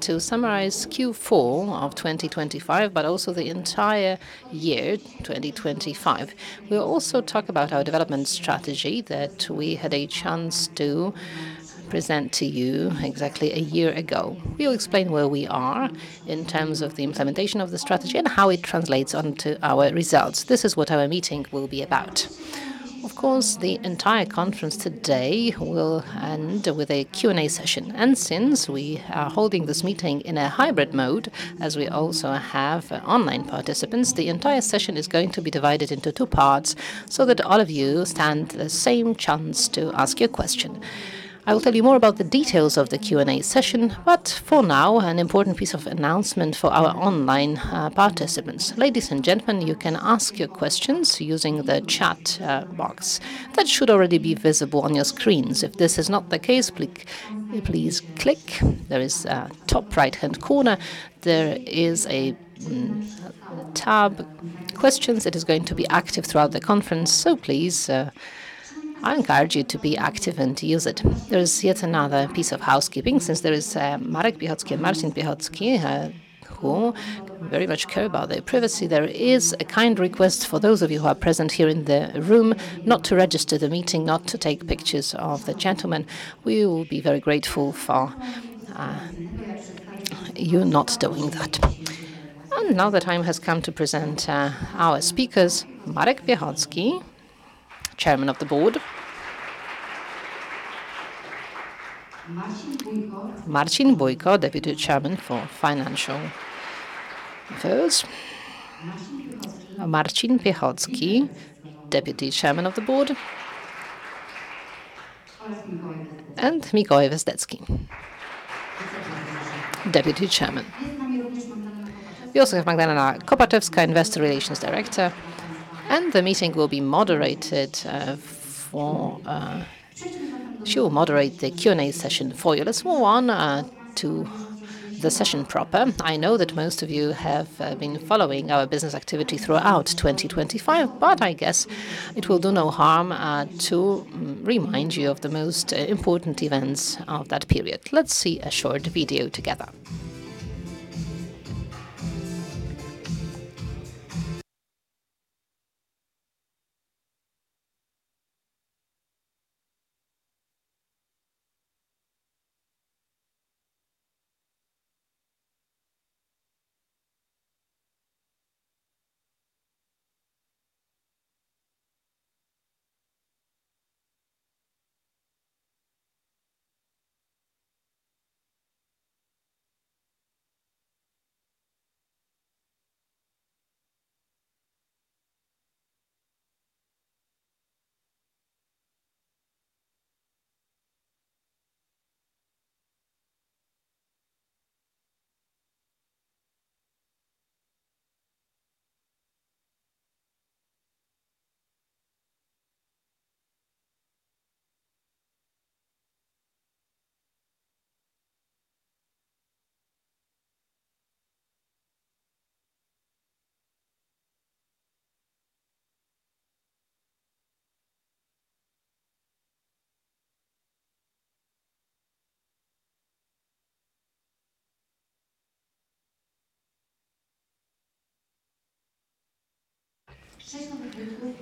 To summarize Q4 of 2025, but also the entire year, 2025. We'll also talk about our development strategy that we had a chance to present to you exactly a year ago. We'll explain where we are in terms of the implementation of the strategy and how it translates onto our results. This is what our meeting will be about. Of course, the entire conference today will end with a Q&A session. Since we are holding this meeting in a hybrid mode, as we also have online participants, the entire session is going to be divided into two parts, so that all of you stand the same chance to ask your question. I will tell you more about the details of the Q&A session, but for now, an important piece of announcement for our online participants. Ladies and gentlemen, you can ask your questions using the chat box that should already be visible on your screens. If this is not the case, please click. There is a top right-hand corner. There is a tab, Questions, that is going to be active throughout the conference, so please, I encourage you to be active and to use it. There is yet another piece of housekeeping since there is Marek Piechocki and Marcin Piechocki, who very much care about their privacy. There is a kind request for those of you who are present here in the room not to register the meeting, not to take pictures of the gentlemen. We will be very grateful for you not doing that. Now the time has come to present our speakers, Marek Piechocki, Chairman of the Board. Marcin Bójko, Deputy Chairman for Financial Affairs. Marcin Piechocki, Deputy Chairman of the Board. Mikołaj Wezdecki, Deputy Chairman. We also have Magdalena Kopaczewska, Investor Relations Director, and the meeting will be moderated for. She will moderate the Q&A session for you. Let's move on to the session proper. I know that most of you have been following our business activity throughout 2025, but I guess it will do no harm to remind you of the most important events of that period. Let's see a short video together.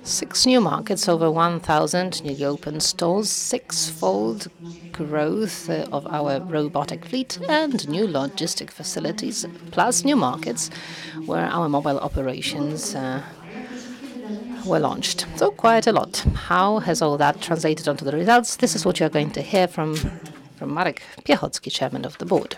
Six new markets, over 1,000 new open stores, six-fold growth of our robotic fleet and new logistic facilities, plus new markets where our mobile operations were launched. Quite a lot. How has all that translated onto the results? This is what you're going to hear from Marek Piechocki, Chairman of the Board.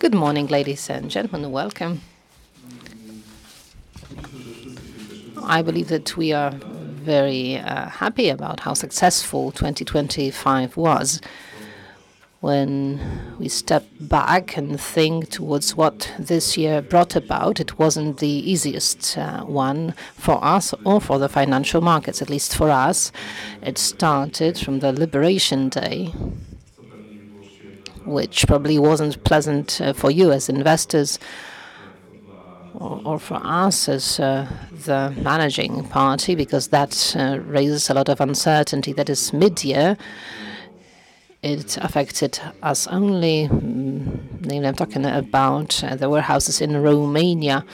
Good morning, ladies and gentlemen. Welcome. I believe that we are very happy about how successful 2025 was. When we step back and think towards what this year brought about, it wasn't the easiest one for us or for the financial markets. At least for us, it started from the Liberation Day, which probably wasn't pleasant for you as investors or for us as the managing party, because that raises a lot of uncertainty that is midyear. It affected us only, you know, I'm talking about the warehouses in Romania,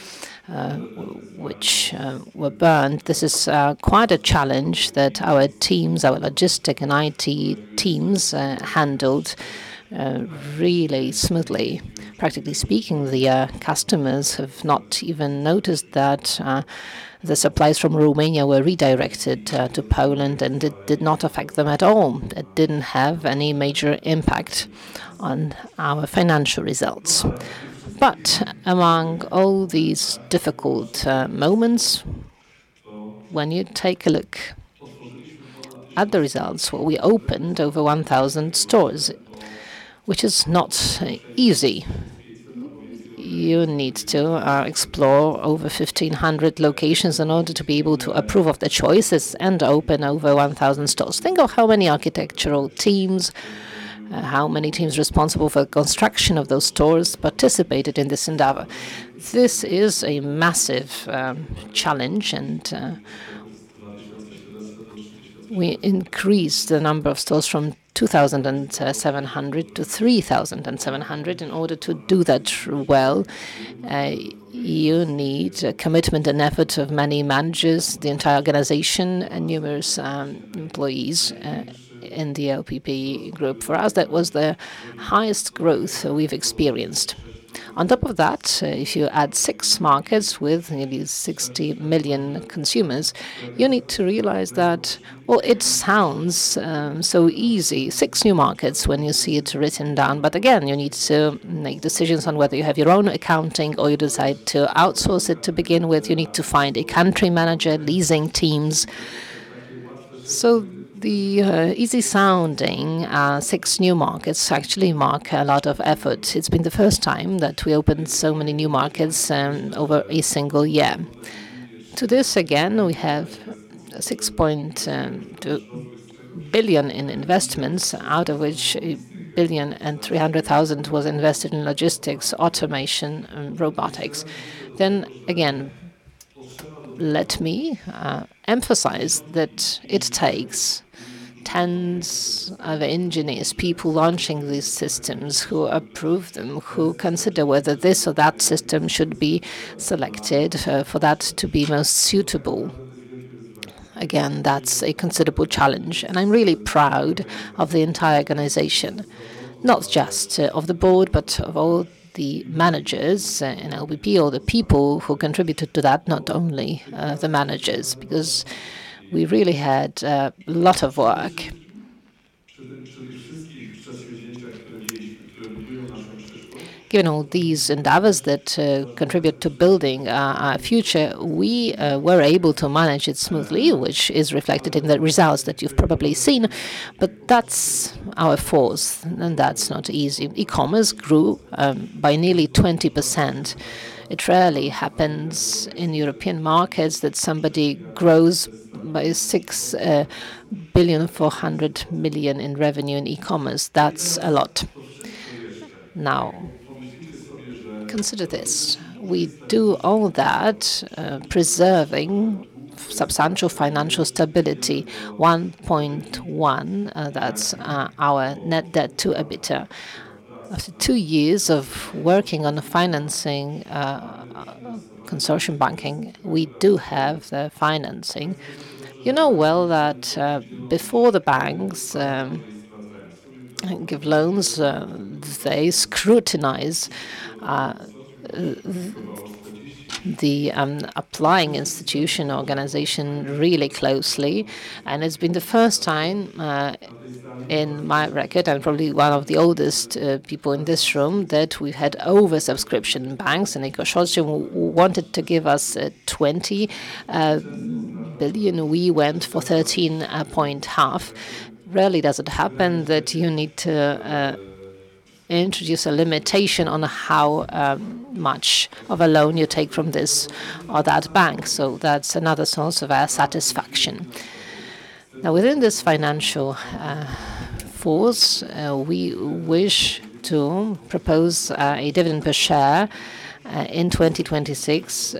which were burned. This is quite a challenge that our teams, our logistic, and IT teams, handled really smoothly. Practically speaking, the customers have not even noticed that the supplies from Romania were redirected to Poland, and it did not affect them at all. It didn't have any major impact on our financial results. Among all these difficult moments, when you take a look at the results, well, we opened over 1,000 stores, which is not easy. You need to explore over 1,500 locations in order to be able to approve of the choices and open over 1,000 stores. How many teams responsible for construction of those stores participated in this endeavor? This is a massive challenge, and we increased the number of stores from 2,700-3,700. In order to do that well, you need commitment and effort of many managers, the entire organization, and numerous employees in the LPP Group. For us, that was the highest growth we've experienced. On top of that, if you add six markets with nearly 60 million consumers, you need to realize that. Well, it sounds so easy, six new markets when you see it written down. But again, you need to make decisions on whether you have your own accounting or you decide to outsource it to begin with. You need to find a country manager, leasing teams. The easy sounding six new markets actually mean a lot of effort. It's been the first time that we opened so many new markets over a single year. To this, again, we have 6 billion in investments, out of which 1.3 billion was invested in logistics, automation, and robotics. Let me emphasize that it takes tens of engineers, people launching these systems, who approve them, who consider whether this or that system should be selected for that to be most suitable. Again, that's a considerable challenge, and I'm really proud of the entire organization, not just of the board, but of all the managers in LPP, all the people who contributed to that, not only the managers, because we really had a lot of work. Given all these endeavors that contribute to building our future, we were able to manage it smoothly, which is reflected in the results that you've probably seen. That's our force, and that's not easy. E-commerce grew by nearly 20%. It rarely happens in European markets that somebody grows by 6.4 billion in revenue in e-commerce. That's a lot. Now, consider this. We do all that preserving substantial financial stability, 1.1%, that's our net debt to EBITDA. Two years of working on the financing consortium banking, we do have the financing. You know well that before the banks give loans they scrutinize the applying institution organization really closely. It's been the first time in my record, I'm probably one of the oldest people in this room, that we had over-subscription banks, and they wanted to give us 20 billion. We went for 13.5 billion. Rarely does it happen that you need to introduce a limitation on how much of a loan you take from this or that bank. That's another source of our satisfaction. Now, within this financial force, we wish to propose a dividend per share in 2026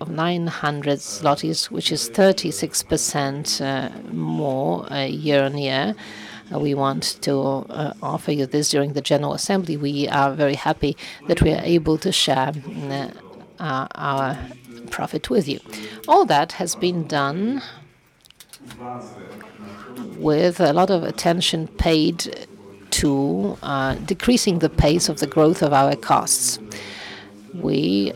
of 900 zlotys, which is 36% more year-on-year. We want to offer you this during the general assembly. We are very happy that we are able to share our profit with you. All that has been done with a lot of attention paid to decreasing the pace of the growth of our costs. We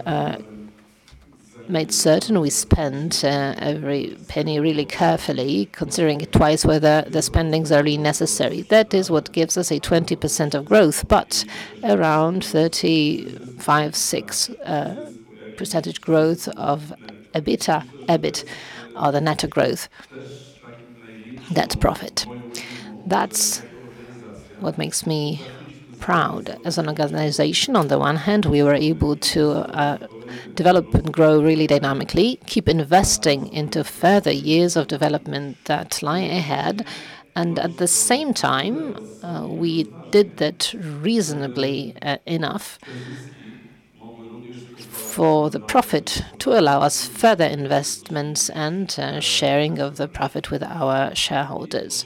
made certain we spent every penny really carefully, considering twice whether the spending is really necessary. That is what gives us a 20% growth, but around 35%-36% growth of EBITDA, EBIT, or the net growth. That's profit. That's what makes me proud. As an organization, on the one hand, we were able to develop and grow really dynamically, keep investing into further years of development that lie ahead, and at the same time, we did that reasonably enough for the profit to allow us further investments and sharing of the profit with our shareholders.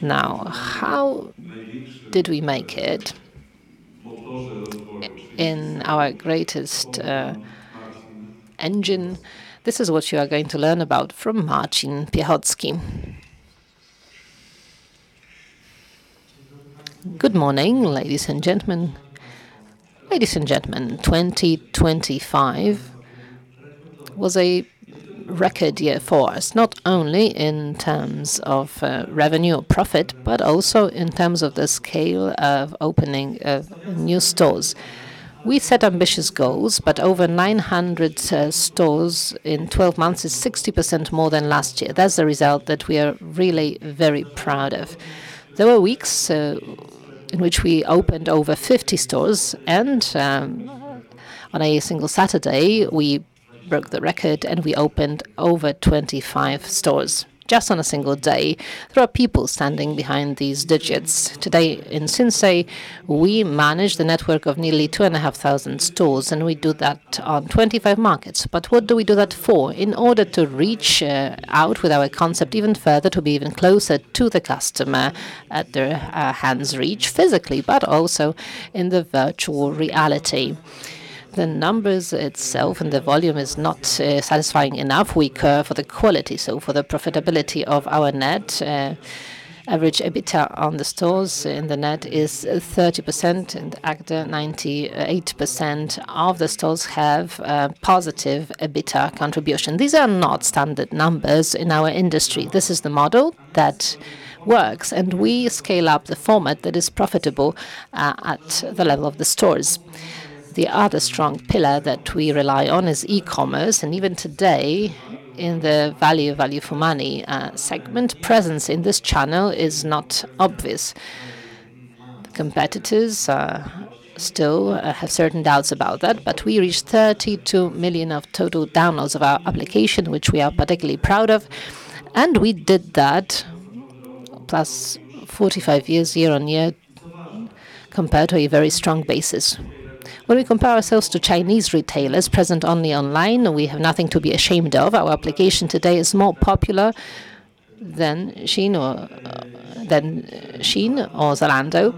Now, how did we make it in our greatest engine? This is what you are going to learn about from Marcin Piechocki. Good morning, ladies and gentlemen. Ladies and gentlemen, 2025 was a record year for us, not only in terms of revenue or profit, but also in terms of the scale of opening new stores. We set ambitious goals, but over 900 stores in 12 months is 60% more than last year. That's the result that we are really very proud of. There were weeks in which we opened over 50 stores and on a single Saturday, we broke the record and we opened over 25 stores just on a single day. There are people standing behind these digits. Today in Sinsay, we manage the network of nearly 2,500 stores, and we do that on 25 markets. What do we do that for? In order to reach out with our concept even further, to be even closer to the customer at their hands reach physically, but also in the virtual reality. The numbers itself and the volume is not satisfying enough. We care for the quality, so for the profitability of our net. Average EBITDA on the stores in the net is 30%, and 98% of the stores have positive EBITDA contribution. These are not standard numbers in our industry. This is the model that works, and we scale up the format that is profitable at the level of the stores. The other strong pillar that we rely on is e-commerce, and even today in the value for money segment, presence in this channel is not obvious. The competitors still have certain doubts about that, but we reached 32 million total downloads of our application, which we are particularly proud of, and we did that plus 45% year-on-year compared to a very strong basis. When we compare ourselves to Chinese retailers present only online, we have nothing to be ashamed of. Our application today is more popular than SHEIN or Zalando.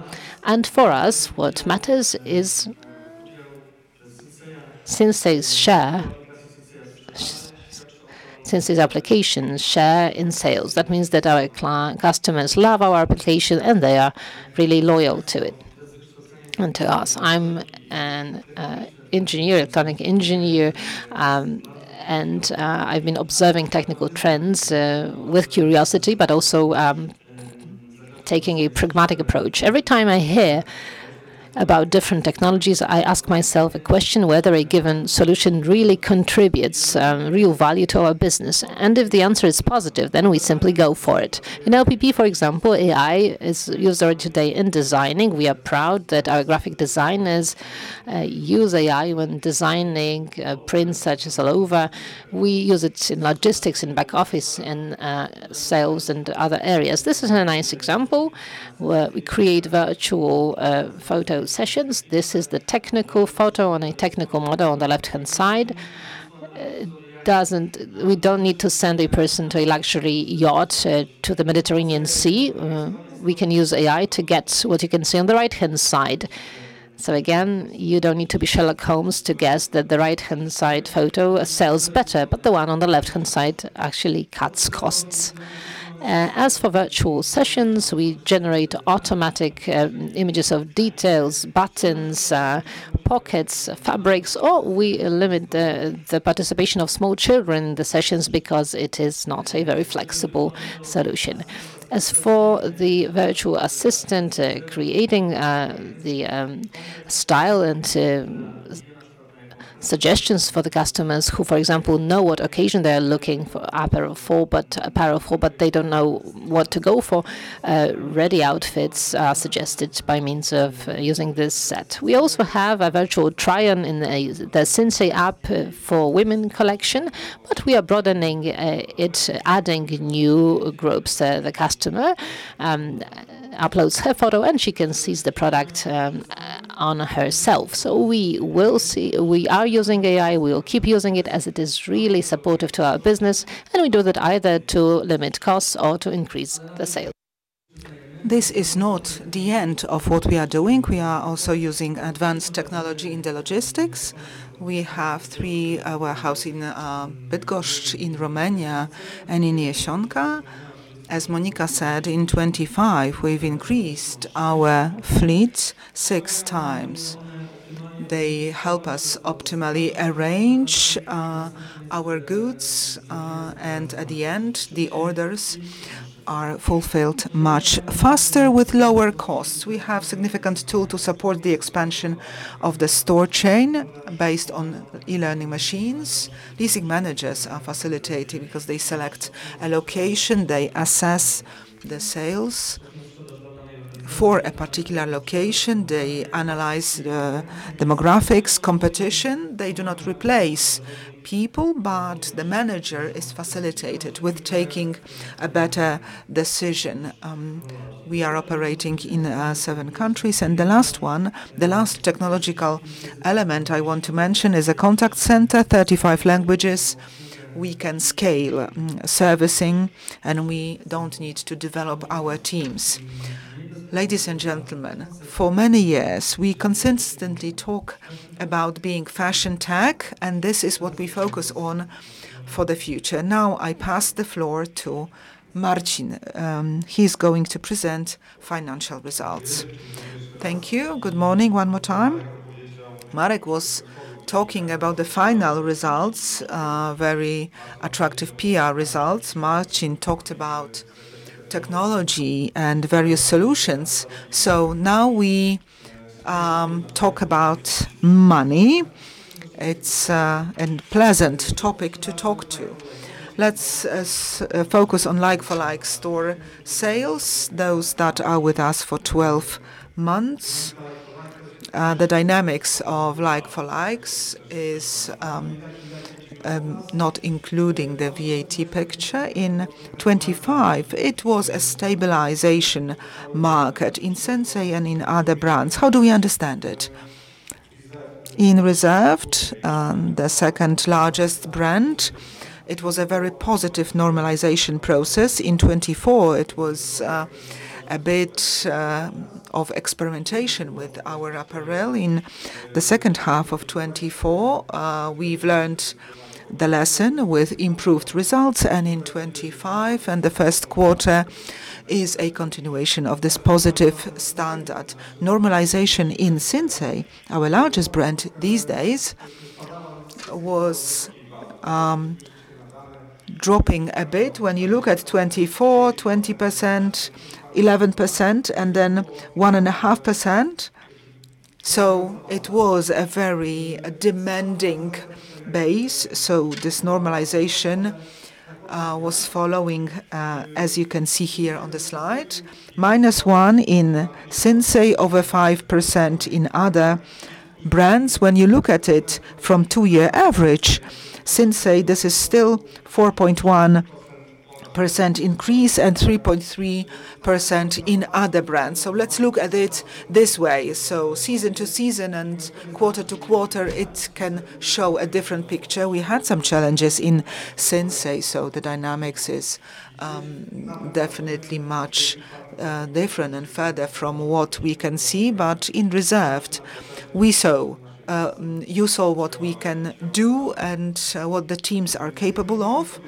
For us, what matters is Sinsay's application share in sales. That means that our customers love our application, and they are really loyal to it and to us. I'm a client engineer, and I've been observing technical trends with curiosity, but also taking a pragmatic approach. Every time I hear about different technologies, I ask myself a question whether a given solution really contributes real value to our business. If the answer is positive, then we simply go for it. In LPP, for example, AI is used already today in designing. We are proud that our graphic designers use AI when designing prints such as allover. We use it in logistics, in back office, in sales and other areas. This is a nice example where we create virtual photo sessions. This is the technical photo on a technical model on the left-hand side. We don't need to send a person to a luxury yacht to the Mediterranean Sea. We can use AI to get what you can see on the right-hand side. Again, you don't need to be Sherlock Holmes to guess that the right-hand side photo sells better, but the one on the left-hand side actually cuts costs. As for virtual sessions, we generate automatic images of details, buttons, pockets, fabrics, or we limit the participation of small children in the sessions because it is not a very flexible solution. As for the virtual assistant, creating the style and suggestions for the customers who, for example, know what occasion they are looking for, apparel for, but they don't know what to go for, ready outfits are suggested by means of using this set. We also have a virtual try-on in the Sinsay app for women collection, but we are broadening it, adding new groups. The customer uploads her photo, and she can see the product on herself. We will see. We are using AI. We will keep using it as it is really supportive to our business, and we do that either to limit costs or to increase the sale. This is not the end of what we are doing. We are also using advanced technology in the logistics. We have three warehouses in Bydgoszcz, in Romania, and in Jasionka. As Monika said, in 2025 we've increased our fleet six times. They help us optimally arrange our goods, and at the end, the orders are fulfilled much faster with lower costs. We have significant tool to support the expansion of the store chain based on machine learning. Leasing managers are facilitating because they select a location, they assess the sales for a particular location, they analyze the demographics, competition. They do not replace people, but the manager is facilitated with taking a better decision. We are operating in seven countries. The last one, the last technological element I want to mention is a contact center, 35 languages. We can scale servicing, and we don't need to develop our teams. Ladies and gentlemen, for many years, we consistently talk about being fashion tech, and this is what we focus on for the future. Now, I pass the floor to Marcin. He's going to present financial results. Thank you. Good morning one more time. Marek was talking about the final results, very attractive PR results. Marcin talked about technology and various solutions. Now we talk about money. It's an unpleasant topic to talk to. Let's focus on like-for-like store sales, those that are with us for 12 months. The dynamics of like-for-likes is not including the VAT picture. In 2025, it was a stabilization market in Sinsay and in other brands. How do we understand it? In Reserved, the second-largest brand, it was a very positive normalization process. In 2024, it was a bit of experimentation with our apparel. In the second half of 2024, we've learned the lesson with improved results and in 2025, the first quarter is a continuation of this positive standard. Normalization in Sinsay, our largest brand these days, was dropping a bit. When you look at 2024, 20%, 11% and then 1.5%. It was a very demanding base. This normalization was following as you can see here on the slide. -1% in Sinsay, over 5% in other brands. When you look at it from two-year average, Sinsay, this is still 4.1% increase and 3.3% in other brands. Let's look at it this way. Season-to-season and quarter-to-quarter, it can show a different picture. We had some challenges in Sinsay, so the dynamics is definitely much different and further from what we can see. But in reserved, we saw you saw what we can do and what the teams are capable of.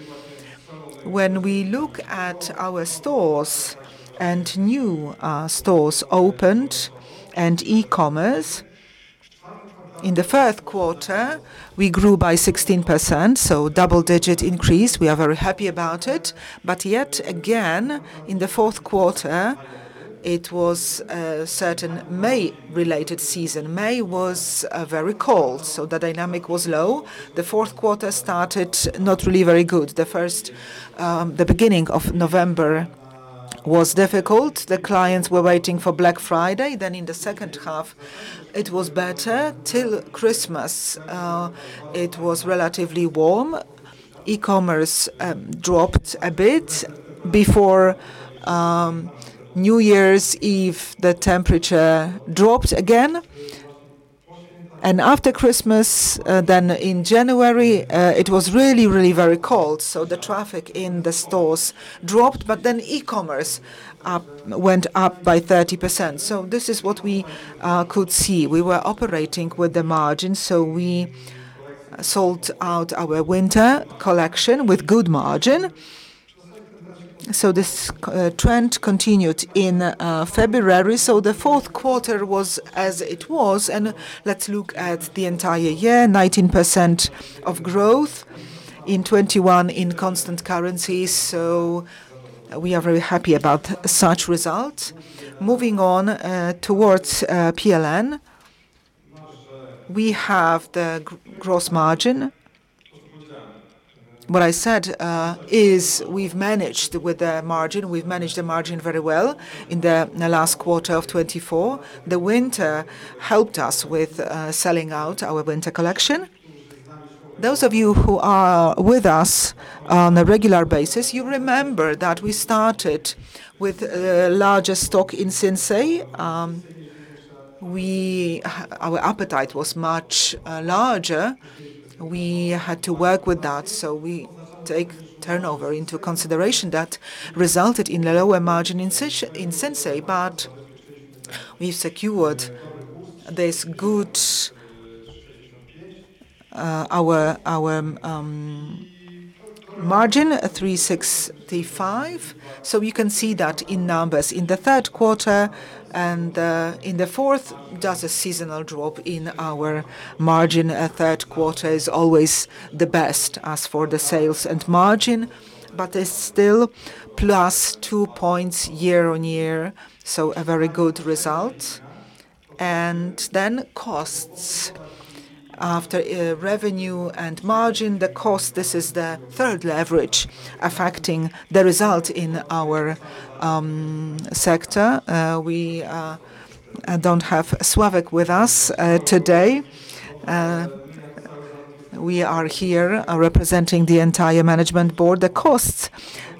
When we look at our stores and new stores opened and e-commerce, in the third quarter, we grew by 16%, so double-digit increase. We are very happy about it. But yet again, in the fourth quarter, it was a certain May-related season. May was very cold, so the dynamic was low. The fourth quarter started not really very good. The first, the beginning of November was difficult. The clients were waiting for Black Friday. In the second half, it was better. Until Christmas, it was relatively warm. E-commerce dropped a bit. Before New Year's Eve, the temperature dropped again. After Christmas, then in January, it was really very cold, so the traffic in the stores dropped. Then e-commerce went up by 30%. This is what we could see. We were operating with the margin, so we sold out our winter collection with good margin. This trend continued in February. The fourth quarter was as it was, and let's look at the entire year, 19% of growth in 2021 in constant currency. We are very happy about such results. Moving on towards PLN. We have the gross margin. What I said is we've managed with the margin. We've managed the margin very well in the last quarter of 2024. The winter helped us with selling out our winter collection. Those of you who are with us on a regular basis, you remember that we started with the largest stock in Sinsay. We, Our appetite was much larger. We had to work with that, so we take turnover into consideration. That resulted in a lower margin in Sinsay, but we've secured this good our margin, 365. You can see that in numbers. In the third quarter and in the fourth, just a seasonal drop in our margin. Third quarter is always the best as for the sales and margin, but it's still plus two points year-over-year, so a very good result. Costs. After revenue and margin, the cost, this is the third leverage affecting the result in our sector. We don't have Sławek with us today. We are here representing the entire management board. The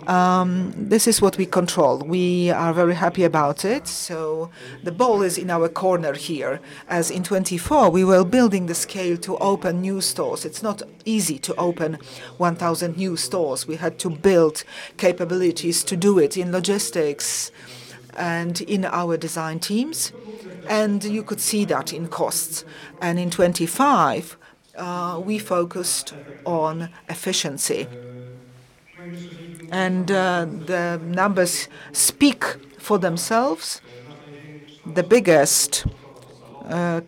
costs, this is what we control. We are very happy about it. The ball is in our corner here. As in 2024, we were building the scale to open new stores. It's not easy to open 1,000 new stores. We had to build capabilities to do it in logistics and in our design teams, and you could see that in costs. In 2025, we focused on efficiency. The numbers speak for themselves. The biggest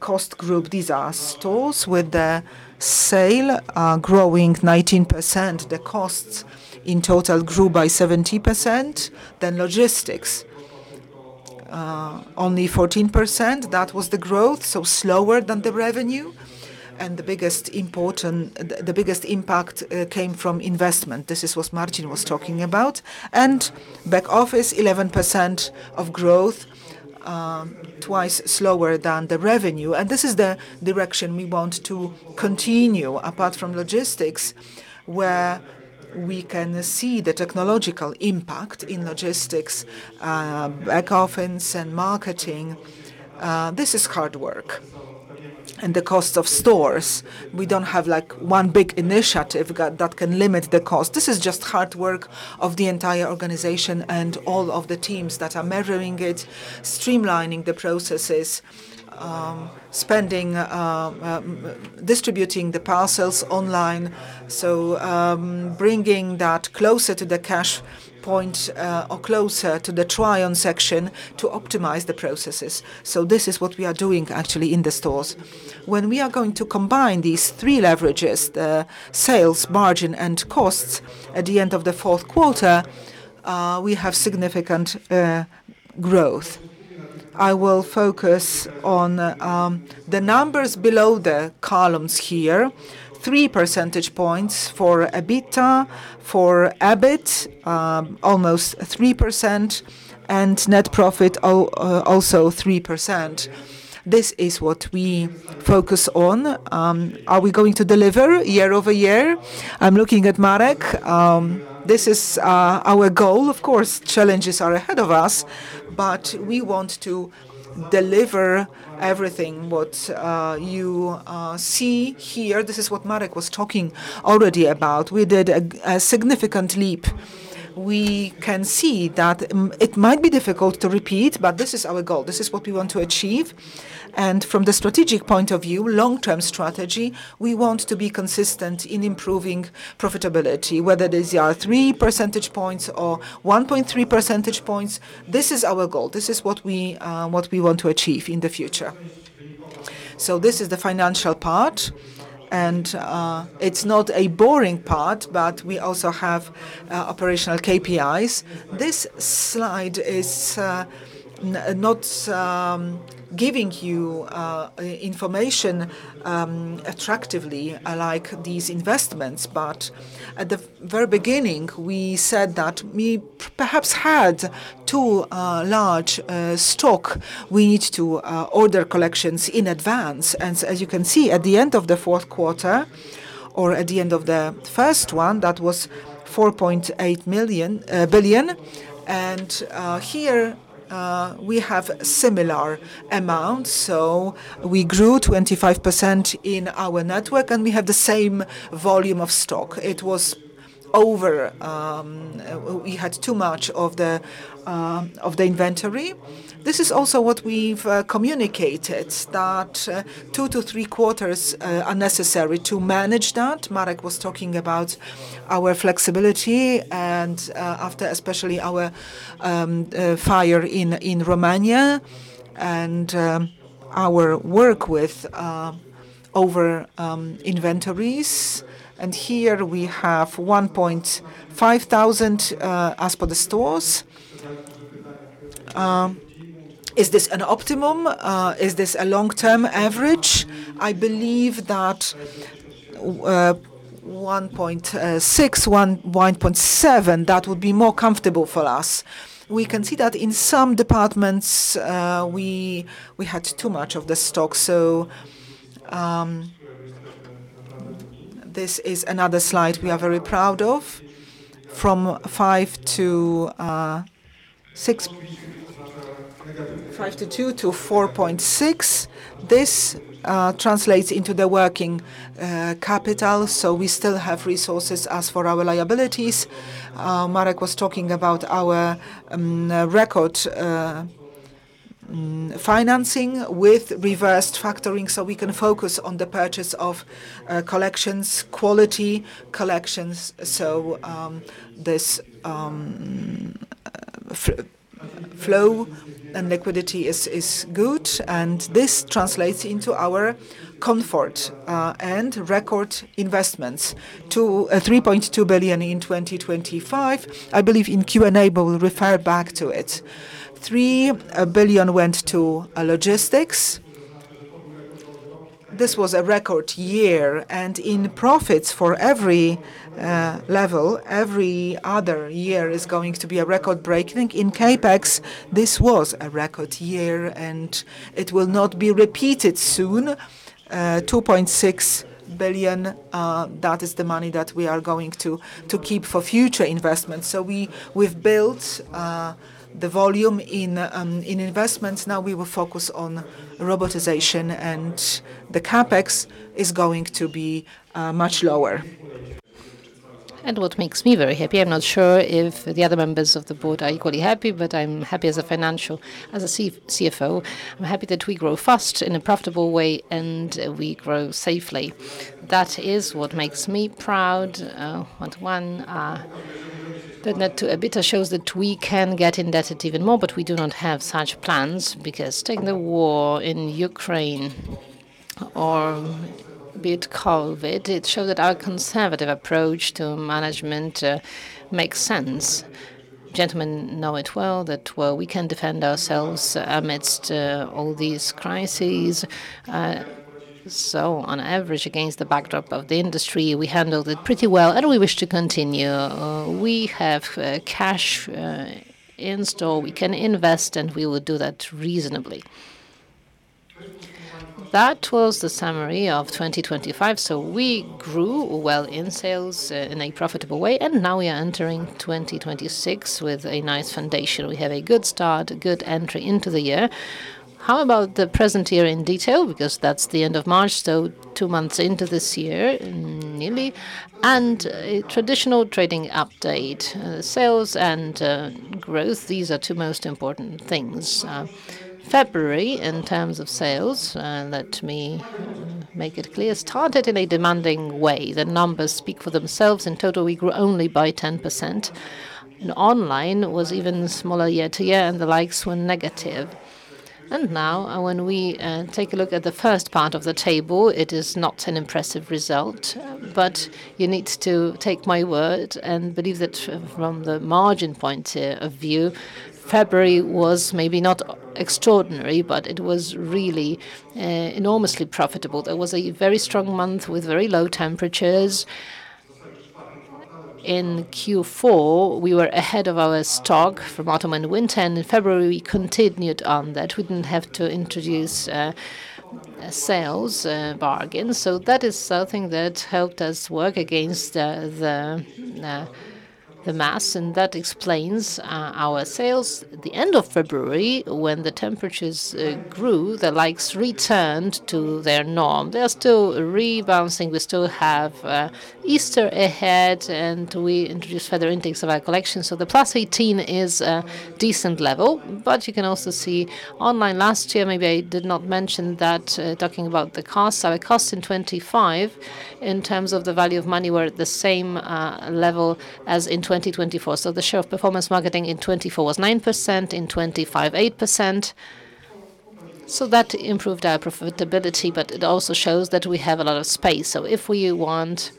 cost group, these are stores. With the sale growing 19%, the costs in total grew by 70%. Logistics only 14%. That was the growth, so slower than the revenue. The biggest impact came from investment. This is what Marcin was talking about. Back office, 11% of growth, twice slower than the revenue. This is the direction we want to continue. Apart from logistics, where we can see the technological impact in logistics, back office and marketing, this is hard work. The cost of stores, we don't have, like, one big initiative that can limit the cost. This is just hard work of the entire organization and all of the teams that are measuring it, streamlining the processes, spending, distributing the parcels online. Bringing that closer to the cash point, or closer to the try-on section to optimize the processes. This is what we are doing actually in the stores. When we are going to combine these three leverages, the sales, margin, and costs, at the end of the fourth quarter, we have significant growth. I will focus on the numbers below the columns here. 3 percentage points for EBITDA, for EBIT, almost 3%, and net profit also 3%. This is what we focus on. Are we going to deliver year-over-year? I'm looking at Marek. This is our goal. Of course, challenges are ahead of us, but we want to deliver everything what you see here. This is what Marek was talking already about. We did a significant leap. We can see that it might be difficult to repeat, but this is our goal. This is what we want to achieve. From the strategic point of view, long-term strategy, we want to be consistent in improving profitability, whether it is 3 percentage points or 1.3 percentage points. This is our goal. This is what we want to achieve in the future. This is the financial part, and it's not a boring part, but we also have operational KPIs. This slide is not giving you information attractively like these investments. At the very beginning, we said that we perhaps had too large stock. We need to order collections in advance. As you can see, at the end of the fourth quarter or at the end of the first one, that was 4.8 billion. Here we have similar amounts. We grew 25% in our network, and we have the same volume of stock. It was over. We had too much of the inventory. This is also what we've communicated, that two to three quarters are necessary to manage that. Marek was talking about our flexibility and especially after our fire in Romania and our work with over inventories. Here we have 1,500 as per the stores. Is this an optimum? Is this a long-term average? I believe that 1,600, 1,700 would be more comfortable for us. We can see that in some departments we had too much of the stock. This is another slide we are very proud of, from five to two to 4.6. This translates into the working capital, so we still have resources. As for our liabilities, Marek was talking about our record financing with reverse factoring, so we can focus on the purchase of collections, quality collections. This flow and liquidity is good, and this translates into our comfort and record investments to 3.2 billion in 2025. I believe in Q&A, but we'll refer back to it. 3 billion went to logistics. This was a record year in profits for every level. Every other year is going to be a record-breaking. In CapEx, this was a record year, and it will not be repeated soon. 2.6 billion, that is the money that we are going to keep for future investments. We've built the volume in investments. Now we will focus on robotization, and the CapEx is going to be much lower. What makes me very happy, I'm not sure if the other members of the board are equally happy, but I'm happy as a financial, as a CFO. I'm happy that we grow fast in a profitable way, and we grow safely. That is what makes me proud. On the net debt to EBITDA shows that we can get indebted even more, but we do not have such plans because taking the war in Ukraine or be it COVID, it shows that our conservative approach to management makes sense. Gentlemen know it well that we can defend ourselves amidst all these crises. On average, against the backdrop of the industry, we handled it pretty well and we wish to continue. We have cash in store we can invest, and we will do that reasonably. That was the summary of 2025. We grew well in sales in a profitable way, and now we are entering 2026 with a nice foundation. We have a good start, a good entry into the year. How about the present year in detail? Because that's the end of March, so two months into this year, newly, and a traditional trading update. Sales and growth, these are two most important things. February, in terms of sales, let me make it clear, started in a demanding way. The numbers speak for themselves. In total, we grew only by 10%. Online was even smaller year-to-year, and the likes were negative. Now, when we take a look at the first part of the table, it is not an impressive result. You need to take my word and believe that from the margin point of view, February was maybe not extraordinary, but it was really enormously profitable. There was a very strong month with very low temperatures. In Q4, we were ahead of our stock for autumn and winter, and in February we continued on that. We didn't have to introduce sales bargains. That is something that helped us work against the mess, and that explains our sales. The end of February, when the temperatures grew, the likes returned to their norm. They are still rebounding. We still have Easter ahead, and we introduced further intakes of our collection. The +18% is a decent level. You can also see online last year, maybe I did not mention that, talking about the cost. Our cost in 2025, in terms of the value of money, we're at the same level as in 2024. The share of performance marketing in 2024 was 9%, in 2025, 8%. That improved our profitability, but it also shows that we have a lot of space. If we want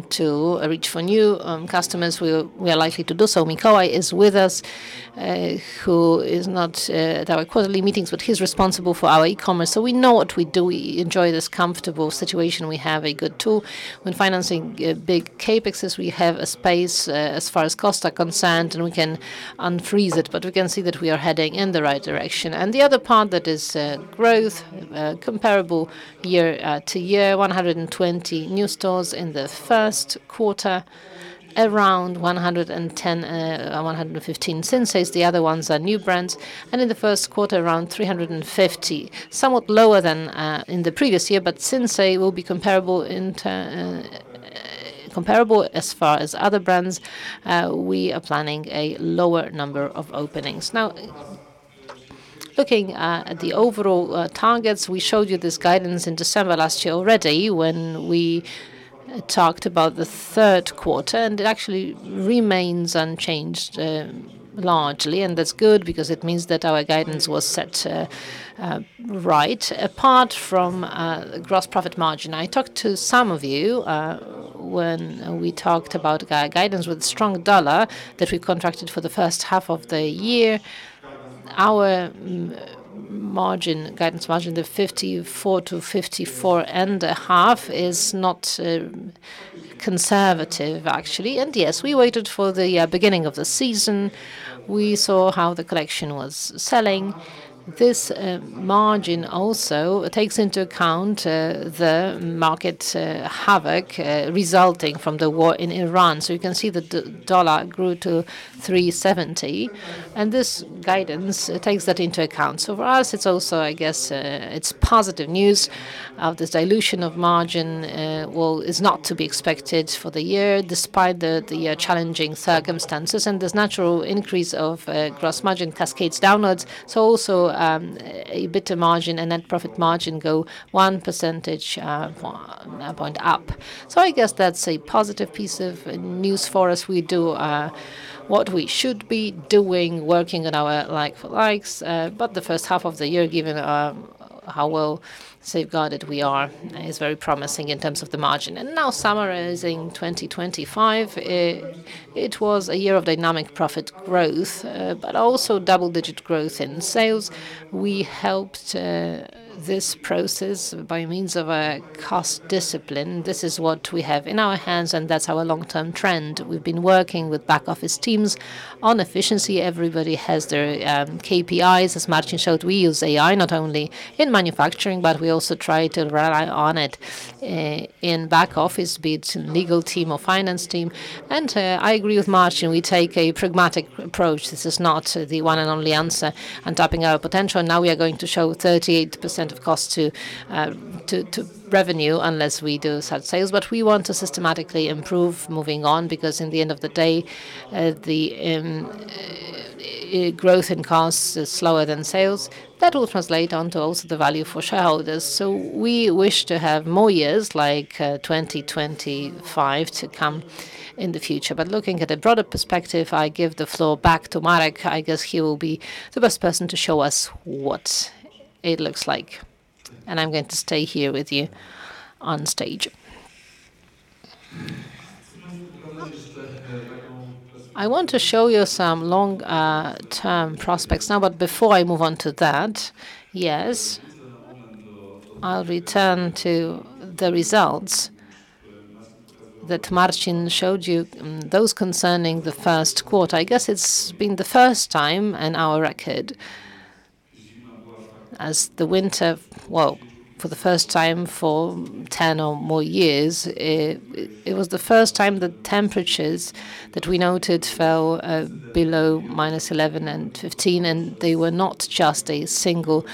to reach for new customers, we are likely to do so. Mikołaj is with us, who is not at our quarterly meetings, but he's responsible for our e-commerce. We know what we do. We enjoy this comfortable situation. We have a good tool. When financing big CapExes, we have a space as far as costs are concerned, and we can unfreeze it. We can see that we are heading in the right direction. The other part that is growth comparable year-to-year, 120 new stores in the first quarter. Around 110-115 Sinsays. The other ones are new brands. In the first quarter, around 350. Somewhat lower than in the previous year, but Sinsay will be comparable as far as other brands. We are planning a lower number of openings. Now, looking at the overall targets, we showed you this guidance in December last year already when we talked about the third quarter, and it actually remains unchanged largely. That's good because it means that our guidance was set right. Apart from gross profit margin, I talked to some of you when we talked about our guidance with strong dollar that we contracted for the first half of the year. Our margin guidance, the 54%-54.5% is not conservative, actually. Yes, we waited for the beginning of the season. We saw how the collection was selling. This margin also takes into account the market havoc resulting from the war in Iran. You can see that the dollar grew to 3.70%, and this guidance takes that into account. For us, it's also, I guess, it's positive news that this dilution of margin well is not to be expected for the year despite the challenging circumstances. This natural increase of gross margin cascades downwards. EBITDA margin and net profit margin go 1 percentage point up. I guess that's a positive piece of news for us. We do what we should be doing, working on our like-for-like. But the first half of the year, given how well safeguarded we are, is very promising in terms of the margin. Now summarizing 2025, it was a year of dynamic profit growth, but also double-digit growth in sales. We helped this process by means of a cost discipline. This is what we have in our hands, and that's our long-term trend. We've been working with back office teams on efficiency. Everybody has their KPIs. As Marcin showed, we use AI not only in manufacturing, but we also try to rely on it in back office, be it legal team or finance team. I agree with Marcin, we take a pragmatic approach. This is not the one and only answer on tapping our potential. Now we are going to show 38% of cost to revenue unless we do such sales. We want to systematically improve moving on, because in the end of the day, the growth in costs is slower than sales. That will translate onto also the value for shareholders. We wish to have more years like 2025 to come in the future. Looking at a broader perspective, I give the floor back to Marek. I guess he will be the best person to show us what it looks like. I'm going to stay here with you on stage. I want to show you some long-term prospects now, but before I move on to that, yes, I'll return to the results that Marcin showed you, those concerning the first quarter. I guess it's been the first time in our record. Well, for the first time for 10 or more years, it was the first time the temperatures that we noted fell below -11°C and -15°C, and they were not just a single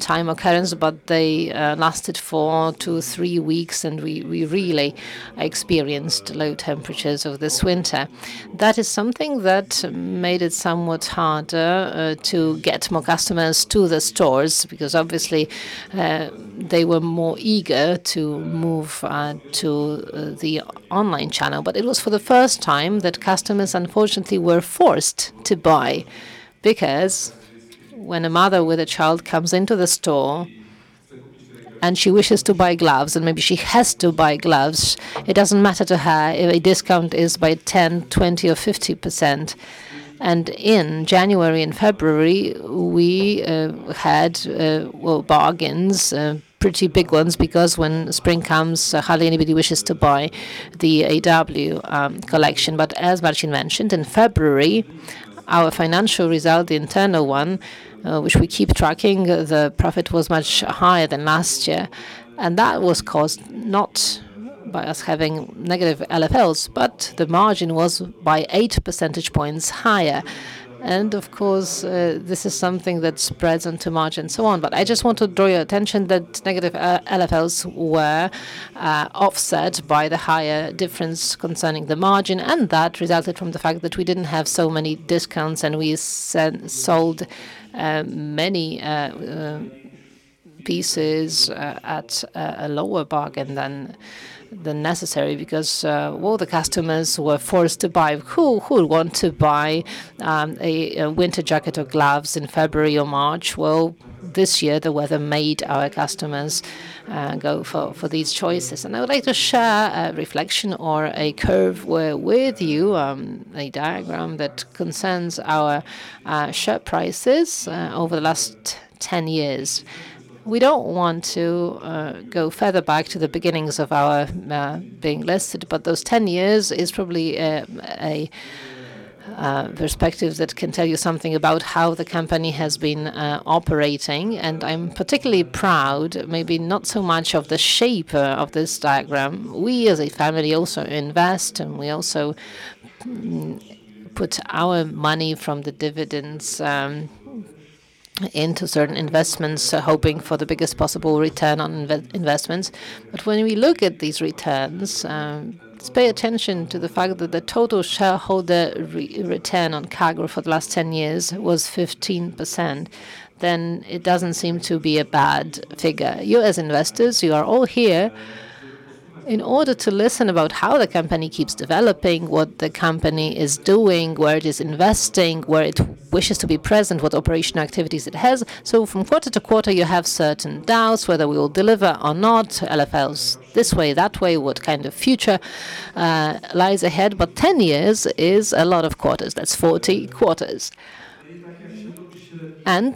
time occurrence, but they lasted for two, three weeks and we really experienced low temperatures over this winter. That is something that made it somewhat harder to get more customers to the stores because obviously they were more eager to move to the online channel. It was for the first time that customers unfortunately were forced to buy. Because when a mother with a child comes into the store and she wishes to buy gloves, and maybe she has to buy gloves, it doesn't matter to her if a discount is by 10%, 20%, or 50%. In January and February, we had, well, bargains, pretty big ones because when spring comes, hardly anybody wishes to buy the AW collection. As Marcin mentioned, in February, our financial result, the internal one, which we keep tracking, the profit was much higher than last year. That was caused not by us having negative LFLs, but the margin was by 8 percentage points higher. Of course, this is something that spreads into March and so on. I just want to draw your attention that negative LFLs were offset by the higher difference concerning the margin, and that resulted from the fact that we didn't have so many discounts and we sold many pieces at a lower bargain than necessary because, well, the customers were forced to buy. Who want to buy a winter jacket or gloves in February or March? Well, this year, the weather made our customers go for these choices. I would like to share a reflection or a curve with you, a diagram that concerns our share prices over the last 10 years. We don't want to go further back to the beginnings of our being listed, but those 10 years is probably a perspective that can tell you something about how the company has been operating. I'm particularly proud, maybe not so much of the shape of this diagram. We as a family also invest, and we also put our money from the dividends into certain investments, hoping for the biggest possible return on investments. When we look at these returns, let's pay attention to the fact that the total shareholder return on CAGR for the last 10 years was 15%, then it doesn't seem to be a bad figure. You as investors, you are all here in order to listen about how the company keeps developing, what the company is doing, where it is investing, where it wishes to be present, what operation activities it has. From quarter to quarter, you have certain doubts whether we will deliver or not, LFLs this way, that way, what kind of future lies ahead. Ten years is a lot of quarters. That's 40 quarters.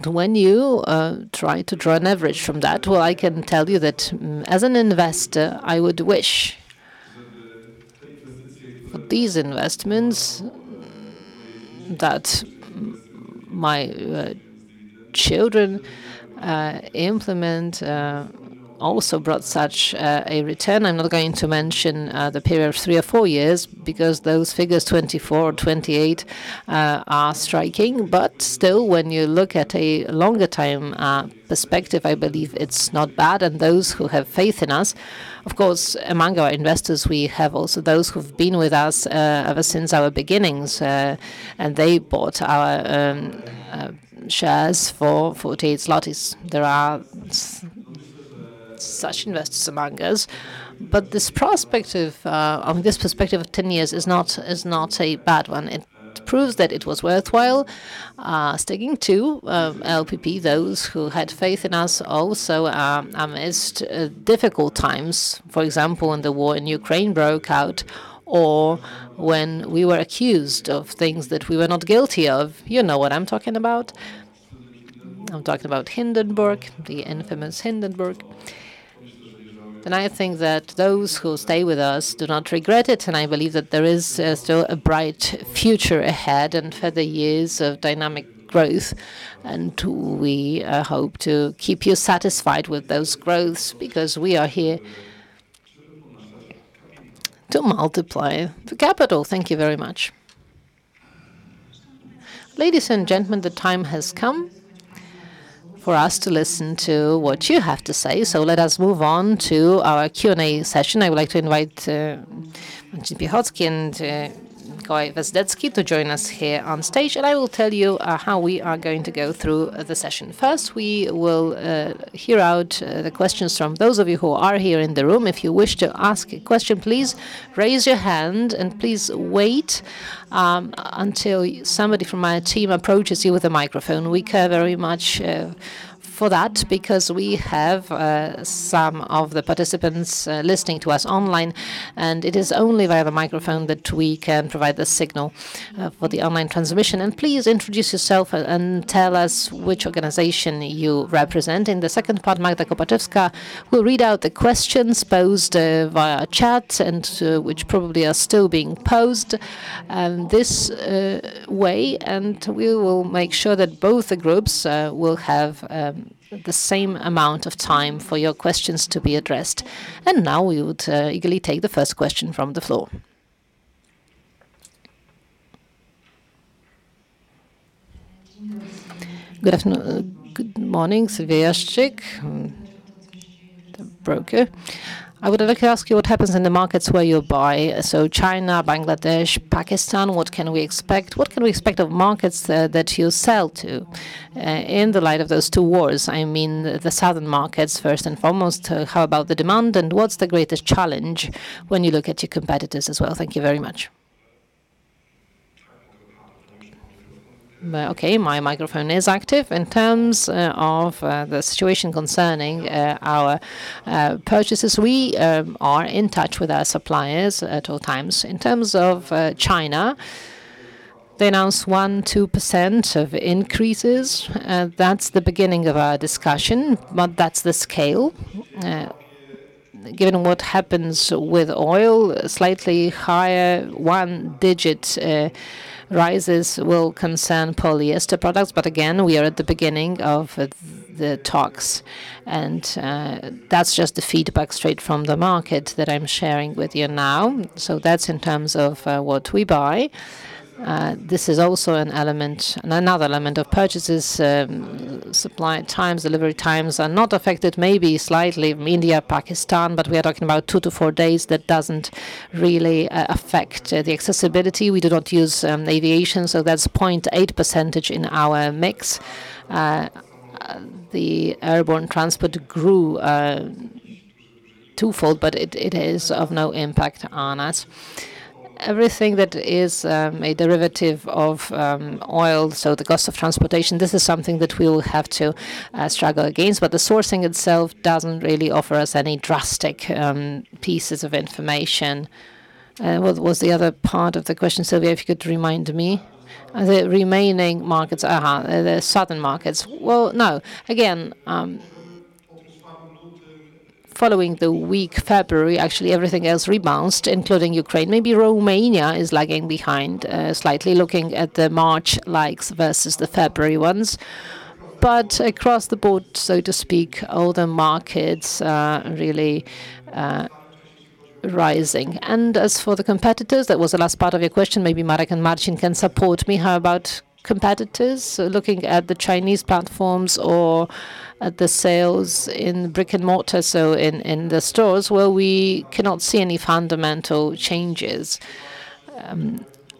When you try to draw an average from that, well, I can tell you that as an investor, I would wish for these investments that my children implement also brought such a return. I'm not going to mention the period of three or four years because those figures, 24 or 28, are striking. Still, when you look at a longer time perspective, I believe it's not bad. Those who have faith in us, of course, among our investors, we have also those who've been with us ever since our beginnings and they bought our shares for 48 zlotys. There are such investors among us. This perspective, I mean, this perspective of 10 years is not a bad one. It proves that it was worthwhile sticking to LPP. Those who had faith in us also amidst difficult times, for example, when the war in Ukraine broke out or when we were accused of things that we were not guilty of. You know what I'm talking about. I'm talking about Hindenburg, the infamous Hindenburg. I think that those who stay with us do not regret it, and I believe that there is still a bright future ahead and further years of dynamic growth. We hope to keep you satisfied with those growths because we are here to multiply the capital. Thank you very much. Ladies and gentlemen, the time has come for us to listen to what you have to say, so let us move on to our Q&A session. I would like to invite Mr. Piechocki and Mikołaj Wezdecki to join us here on stage, and I will tell you how we are going to go through the session. First, we will hear out the questions from those of you who are here in the room. If you wish to ask a question, please raise your hand, and please wait until somebody from my team approaches you with a microphone. We care very much for that because we have some of the participants listening to us online, and it is only via the microphone that we can provide the signal for the online transmission. Please introduce yourself and tell us which organization you represent. In the second part, Magda Kopaczewska will read out the questions posed via chat and which probably are still being posed this way. We will make sure that both the groups will have the same amount of time for your questions to be addressed. Now we would eagerly take the first question from the floor. Good morning, Sylwia Jaśkiewic, the broker. I would like to ask you what happens in the markets where you buy, so China, Bangladesh, Pakistan, what can we expect? What can we expect of markets that you sell to in the light of those two wars? I mean the southern markets first and foremost. How about the demand, and what's the greatest challenge when you look at your competitors as well? Thank you very much. Okay, my microphone is active. In terms of the situation concerning our purchases, we are in touch with our suppliers at all times. In terms of China, they announced 1%-2% increases. That's the beginning of our discussion, but that's the scale. Given what happens with oil, slightly higher one-digit rises will concern polyester products, but again, we are at the beginning of the talks. That's just the feedback straight from the market that I'm sharing with you now. That's in terms of what we buy. This is also another element of purchases. Supply times, delivery times are not affected, maybe slightly in India, Pakistan, but we are talking about two to four days. That doesn't really affect the accessibility. We do not use aviation, so that's 0.8% in our mix. The airborne transport grew twofold, but it is of no impact on us. Everything that is a derivative of oil, so the cost of transportation, this is something that we will have to struggle against. The sourcing itself doesn't really offer us any drastic pieces of information. What was the other part of the question, Sylwia, if you could remind me? The remaining markets. The southern markets. No. Following the weak February, actually everything else rebounded, including Ukraine. Maybe Romania is lagging behind slightly, looking at the March LFLs versus the February ones. Across the board, so to speak, all the markets are really rising. As for the competitors, that was the last part of your question. Maybe Marek and Marcin can support me. How about competitors? Looking at the Chinese platforms or at the sales in brick-and-mortar, so in the stores? We cannot see any fundamental changes.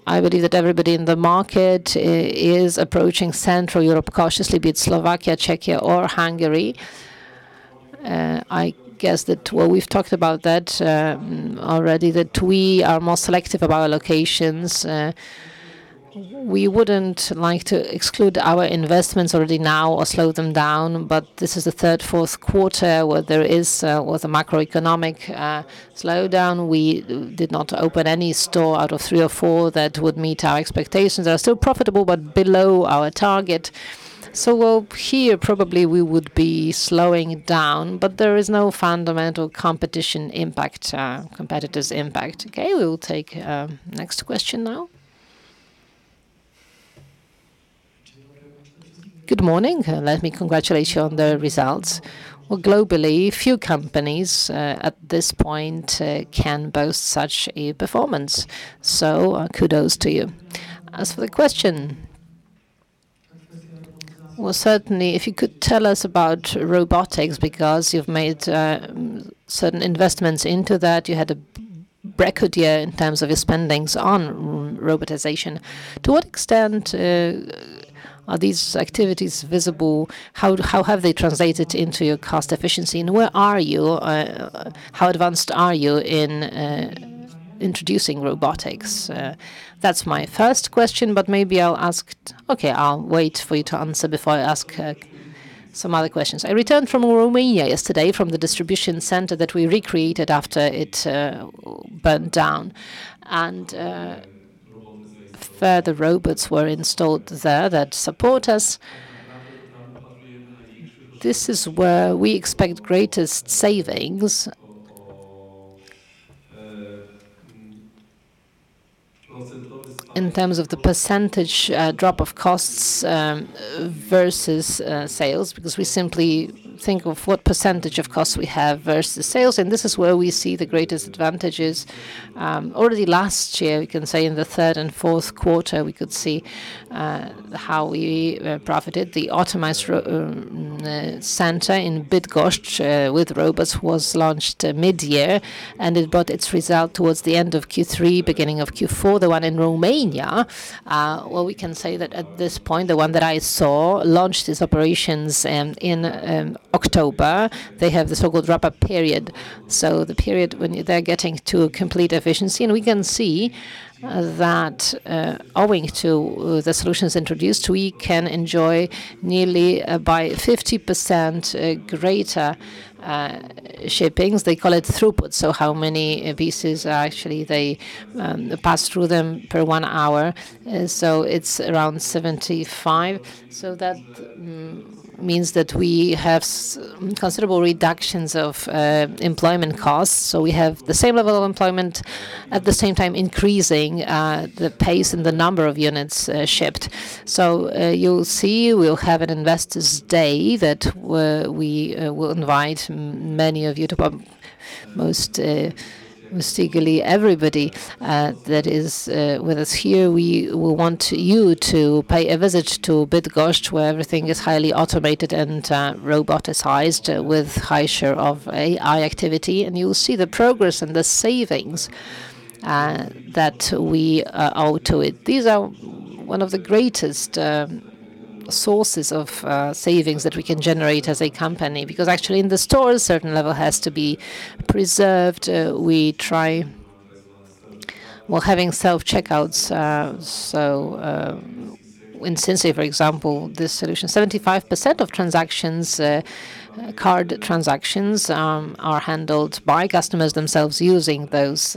I believe that everybody in the market is approaching Central Europe cautiously, be it Slovakia, Czechia or Hungary. I guess that we've talked about that already, that we are more selective about locations. We wouldn't like to exclude our investments already now or slow them down, but this is the third, fourth quarter where there is with a macroeconomic slowdown. We did not open any store out of three or four that would meet our expectations. They are still profitable but below our target. Here probably we would be slowing down, but there is no fundamental competition impact, competitor's impact. Okay, we will take next question now. Good morning, and let me congratulate you on the results. Well, globally, few companies at this point can boast such a performance, so kudos to you. As for the question, well, certainly if you could tell us about robotics, because you've made certain investments into that. You had a record year in terms of your spending on robotization. To what extent are these activities visible? How have they translated into your cost efficiency, and where are you? How advanced are you in introducing robotics? That's my first question, but maybe I'll ask. Okay, I'll wait for you to answer before I ask some other questions. I returned from Romania yesterday, from the distribution center that we recreated after it burned down. Further robots were installed there that support us. This is where we expect greatest savings in terms of the percentage drop of costs versus sales, because we simply think of what percentage of costs we have versus sales, and this is where we see the greatest advantages. Already last year, we can say in the third and fourth quarter, we could see how we profited. The automated center in Bydgoszcz with robots was launched mid-year, and it brought its result towards the end of Q3, beginning of Q4. The one in Romania, well, we can say that at this point, the one that I saw launched its operations in October. They have the so-called ramp-up period. The period when they're getting to complete efficiency, and we can see that, owing to the solutions introduced, we can enjoy nearly 50% greater shipments. They call it throughput, so how many pieces actually they pass through them per hour. It's around 75. That means that we have considerable reductions of employment costs. We have the same level of employment, at the same time increasing the pace and the number of units shipped. You'll see we'll have an investors day that we will invite many of you to come. Most everybody that is with us here, we want you to pay a visit to Bydgoszcz, where everything is highly automated and roboticized with high share of AI activity. You'll see the progress and the savings that we owe to it. These are one of the greatest sources of savings that we can generate as a company, because actually in the stores, certain level has to be preserved. Well, having self-checkouts, in Sinsay, for example, this solution, 75% of transactions, card transactions, are handled by customers themselves using those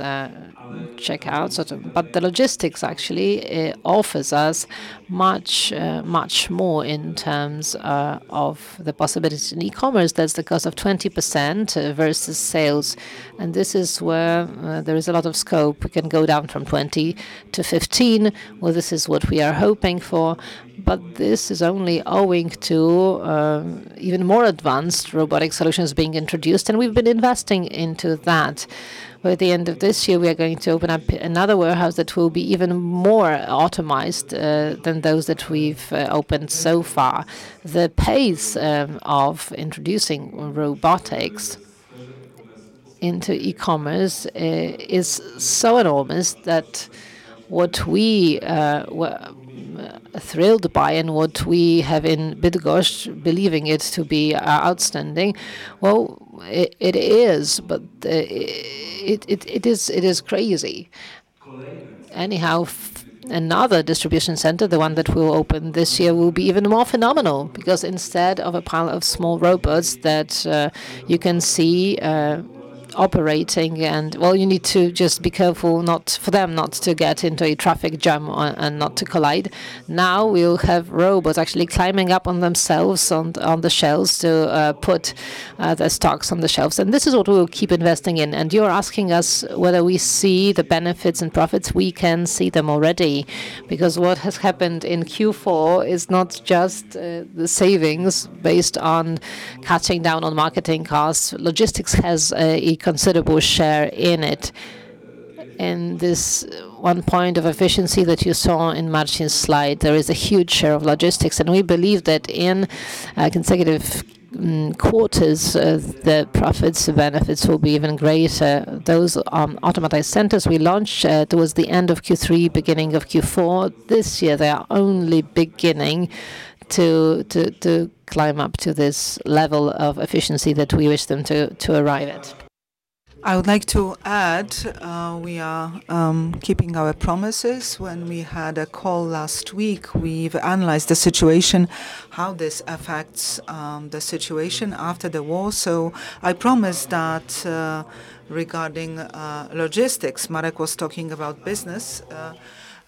checkouts. The logistics actually offers us much more in terms of the possibilities. In e-commerce, there's the cost of 20% versus sales, and this is where there is a lot of scope. We can go down from 20% to 15%. Well, this is what we are hoping for, but this is only owing to even more advanced robotic solutions being introduced, and we've been investing into that. By the end of this year, we are going to open up another warehouse that will be even more automated than those that we've opened so far. The pace of introducing robotics into e-commerce is so enormous that what we were thrilled by and what we have in Bydgoszcz, believing it to be outstanding. Well, it is, but it is crazy. Anyhow, another distribution center, the one that we'll open this year, will be even more phenomenal because instead of a pile of small robots that you can see operating. Well, you need to just be careful not for them to get into a traffic jam or and not to collide. Now, we'll have robots actually climbing up on themselves on the shelves to put the stocks on the shelves. This is what we'll keep investing in. You're asking us whether we see the benefits and profits. We can see them already because what has happened in Q4 is not just the savings based on cutting down on marketing costs. Logistics has a considerable share in it. In this one point of efficiency that you saw in Marcin's slide, there is a huge share of logistics, and we believe that in consecutive quarters, the profits, the benefits will be even greater. Those automated centers we launched towards the end of Q3, beginning of Q4. This year, they are only beginning to climb up to this level of efficiency that we wish them to arrive at. I would like to add, we are keeping our promises. When we had a call last week, we've analyzed the situation, how this affects the situation after the war. I promise that, regarding logistics, Marek was talking about business.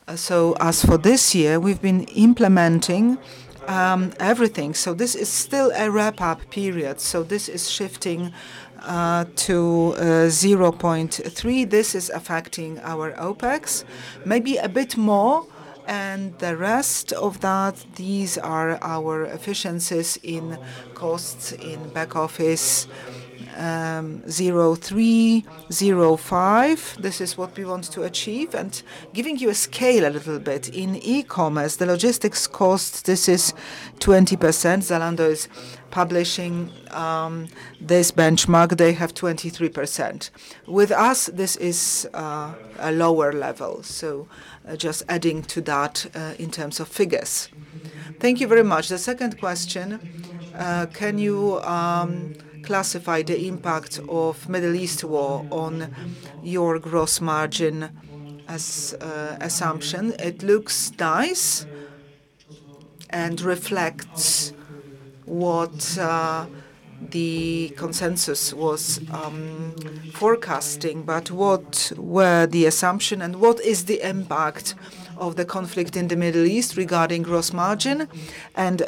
As for this year, we've been implementing everything. This is still a wrap-up period. This is shifting to 0.3%. This is affecting our OpEx. Maybe a bit more, and the rest of that, these are our efficiencies in costs in back office, 0.3%, 0.5%. This is what we want to achieve. Giving you a scale a little bit, in e-commerce, the logistics cost is 20%. Zalando is publishing this benchmark. They have 23%. With us this is a lower level, so just adding to that in terms of figures. Thank you very much. The second question, can you classify the impact of Middle East war on your gross margin as assumption? It looks nice and reflects what the consensus was forecasting, but what were the assumption and what is the impact of the conflict in the Middle East regarding gross margin and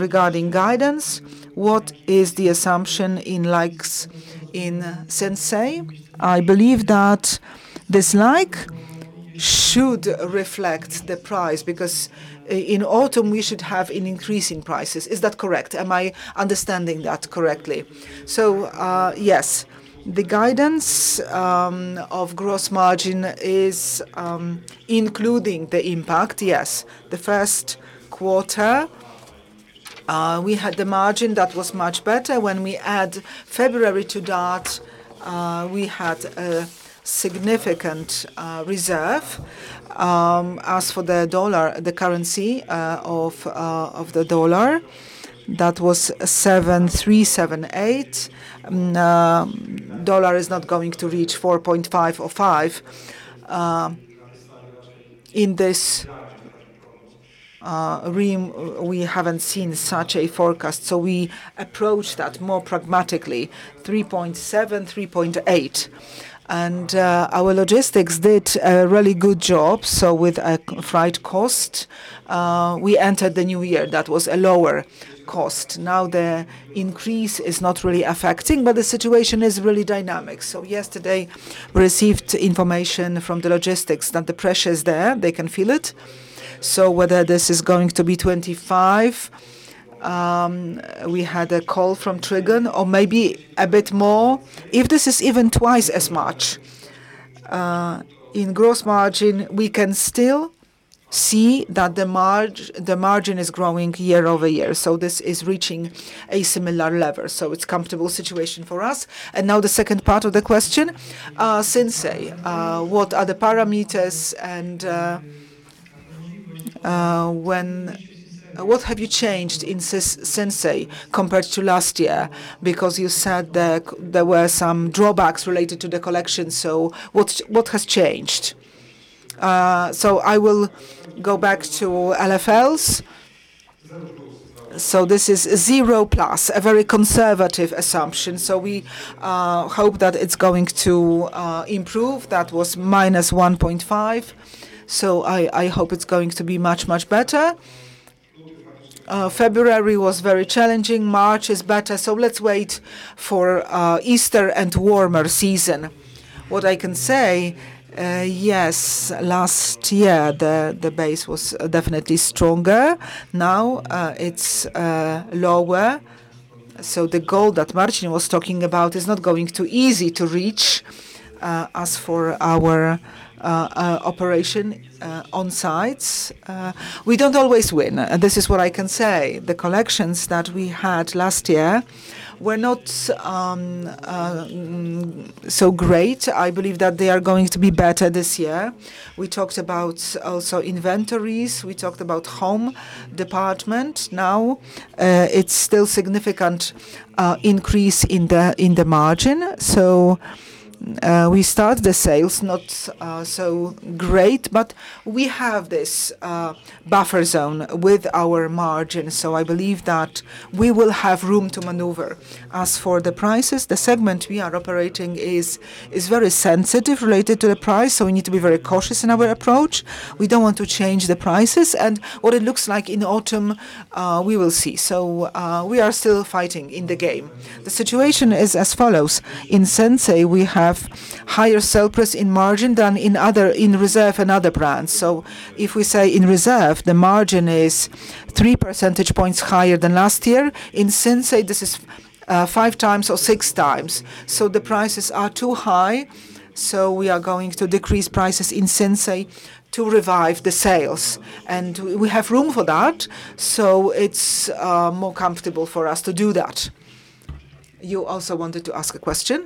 regarding guidance? What is the assumption in likes in Sinsay? I believe that this like should reflect the price because in autumn we should have an increase in prices. Is that correct? Am I understanding that correctly? Yes. The guidance of gross margin is including the impact, yes. The first quarter we had the margin that was much better. When we add February to that, we had a significant reserve. As for the dollar, the currency of the dollar, that was PNL 7.378 is not going to reach 4.5% or 5% in this; we haven't seen such a forecast. We approach that more pragmatically, 3.7%-3.8%. Our logistics did a really good job, so with a freight cost, we entered the new year. That was a lower cost. Now the increase is not really affecting, but the situation is really dynamic. Yesterday we received information from the logistics that the pressure is there; they can feel it. Whether this is going to be 25, we had a call from Trigon or maybe a bit more. If this is even twice as much in gross margin, we can still see that the margin is growing year-over-year. This is reaching a similar level. It's comfortable situation for us. Now the second part of the question. Sinsay, what are the parameters and What have you changed in Sinsay compared to last year? Because you said there were some drawbacks related to the collection. What's changed? I will go back to LFLs. This is zero plus, a very conservative assumption. We hope that it's going to improve. That was -1.5%. I hope it's going to be much better. February was very challenging. March is better. Let's wait for Easter and warmer season. What I can say, yes, last year the base was definitely stronger. Now, it's lower. The goal that Marcin was talking about is not going to be easy to reach. As for our operation on sites, we don't always win. This is what I can say. The collections that we had last year were not so great. I believe that they are going to be better this year. We talked about also inventories. We talked about home department. Now, it's still significant increase in the margin. We start the sales not so great, but we have this buffer zone with our margin. I believe that we will have room to maneuver. As for the prices, the segment we are operating is very sensitive related to the price, so we need to be very cautious in our approach. We don't want to change the prices. What it looks like in autumn, we will see. We are still fighting in the game. The situation is as follows. In Sinsay, we have higher surplus in margin than in Reserved and other brands. If we say in Reserved, the margin is three percentage points higher than last year. In Sinsay, this is 5x or 6x. The prices are too high, so we are going to decrease prices in Sinsay to revive the sales. We have room for that, so it's more comfortable for us to do that. You also wanted to ask a question.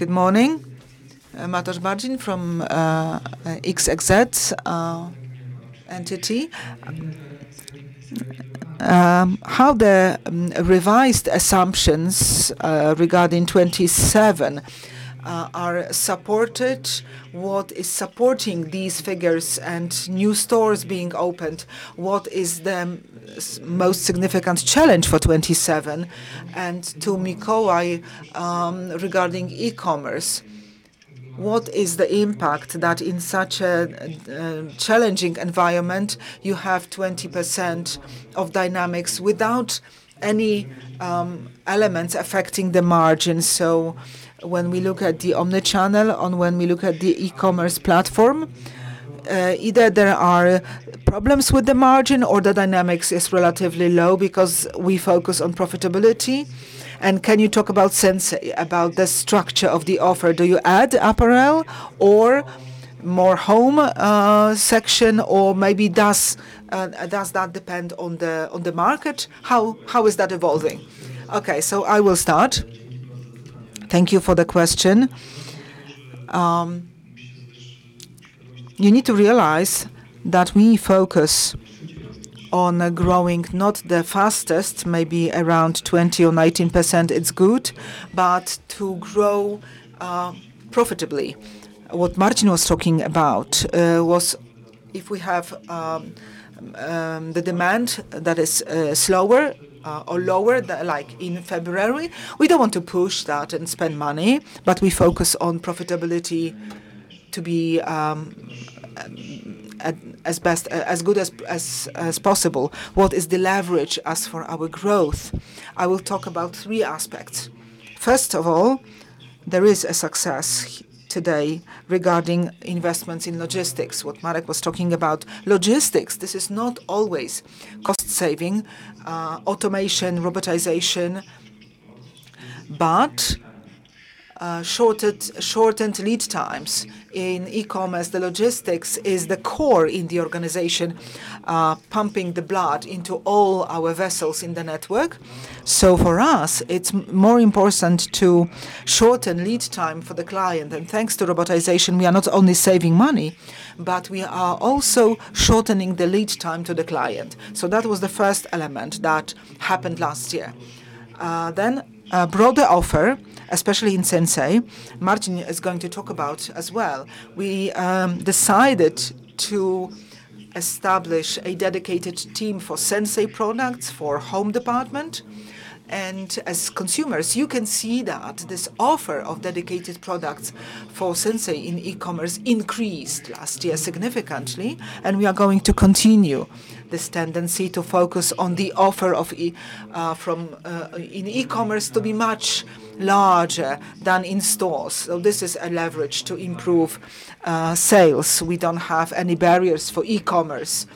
Good morning. Mateusz Bargieł from Erste Securities. How the revised assumptions regarding 2027 are supported? What is supporting these figures and new stores being opened? What is the most significant challenge for 2027? To Mikołaj, regarding e-commerce, what is the impact that in such a challenging environment you have 20% dynamics without any elements affecting the margin? When we look at the omnichannel and when we look at the e-commerce platform, either there are problems with the margin or the dynamics is relatively low because we focus on profitability. Can you talk about Sinsay, about the structure of the offer? Do you add apparel or more home section? Or maybe does that depend on the market? How is that evolving? I will start. Thank you for the question. You need to realize that we focus on growing not the fastest, maybe around 20% or 19% it's good, but to grow profitably. What Marcin was talking about was if we have the demand that is slower or lower, like in February, we don't want to push that and spend money, but we focus on profitability to be as best as possible. What is the leverage as for our growth? I will talk about three aspects. First of all, there is a success today regarding investments in logistics, what Marek was talking about. Logistics, this is not always cost saving, automation, robotization. Shortened lead times in e-commerce, the logistics is the core in the organization, pumping the blood into all our vessels in the network. For us, it's more important to shorten lead time for the client. Thanks to robotization, we are not only saving money, but we are also shortening the lead time to the client. That was the first element that happened last year. Then a broader offer, especially in Sinsay, Marcin is going to talk about as well. We decided to establish a dedicated team for Sinsay products for home department. As consumers, you can see that this offer of dedicated products for Sinsay in e-commerce increased last year significantly, and we are going to continue this tendency to focus on the offer of e-commerce to be much larger than in stores. This is a leverage to improve sales. We don't have any barriers for e-commerce,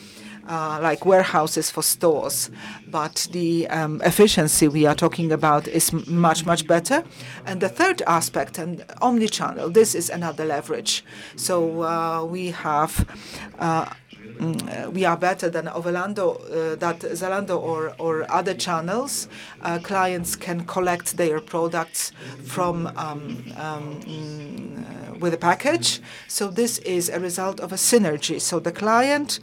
like warehouses for stores. The efficiency we are talking about is much, much better. The third aspect, omnichannel, this is another leverage. We have, we are better than Zalando or other channels. Clients can collect their products from with a package. This is a result of a synergy. The client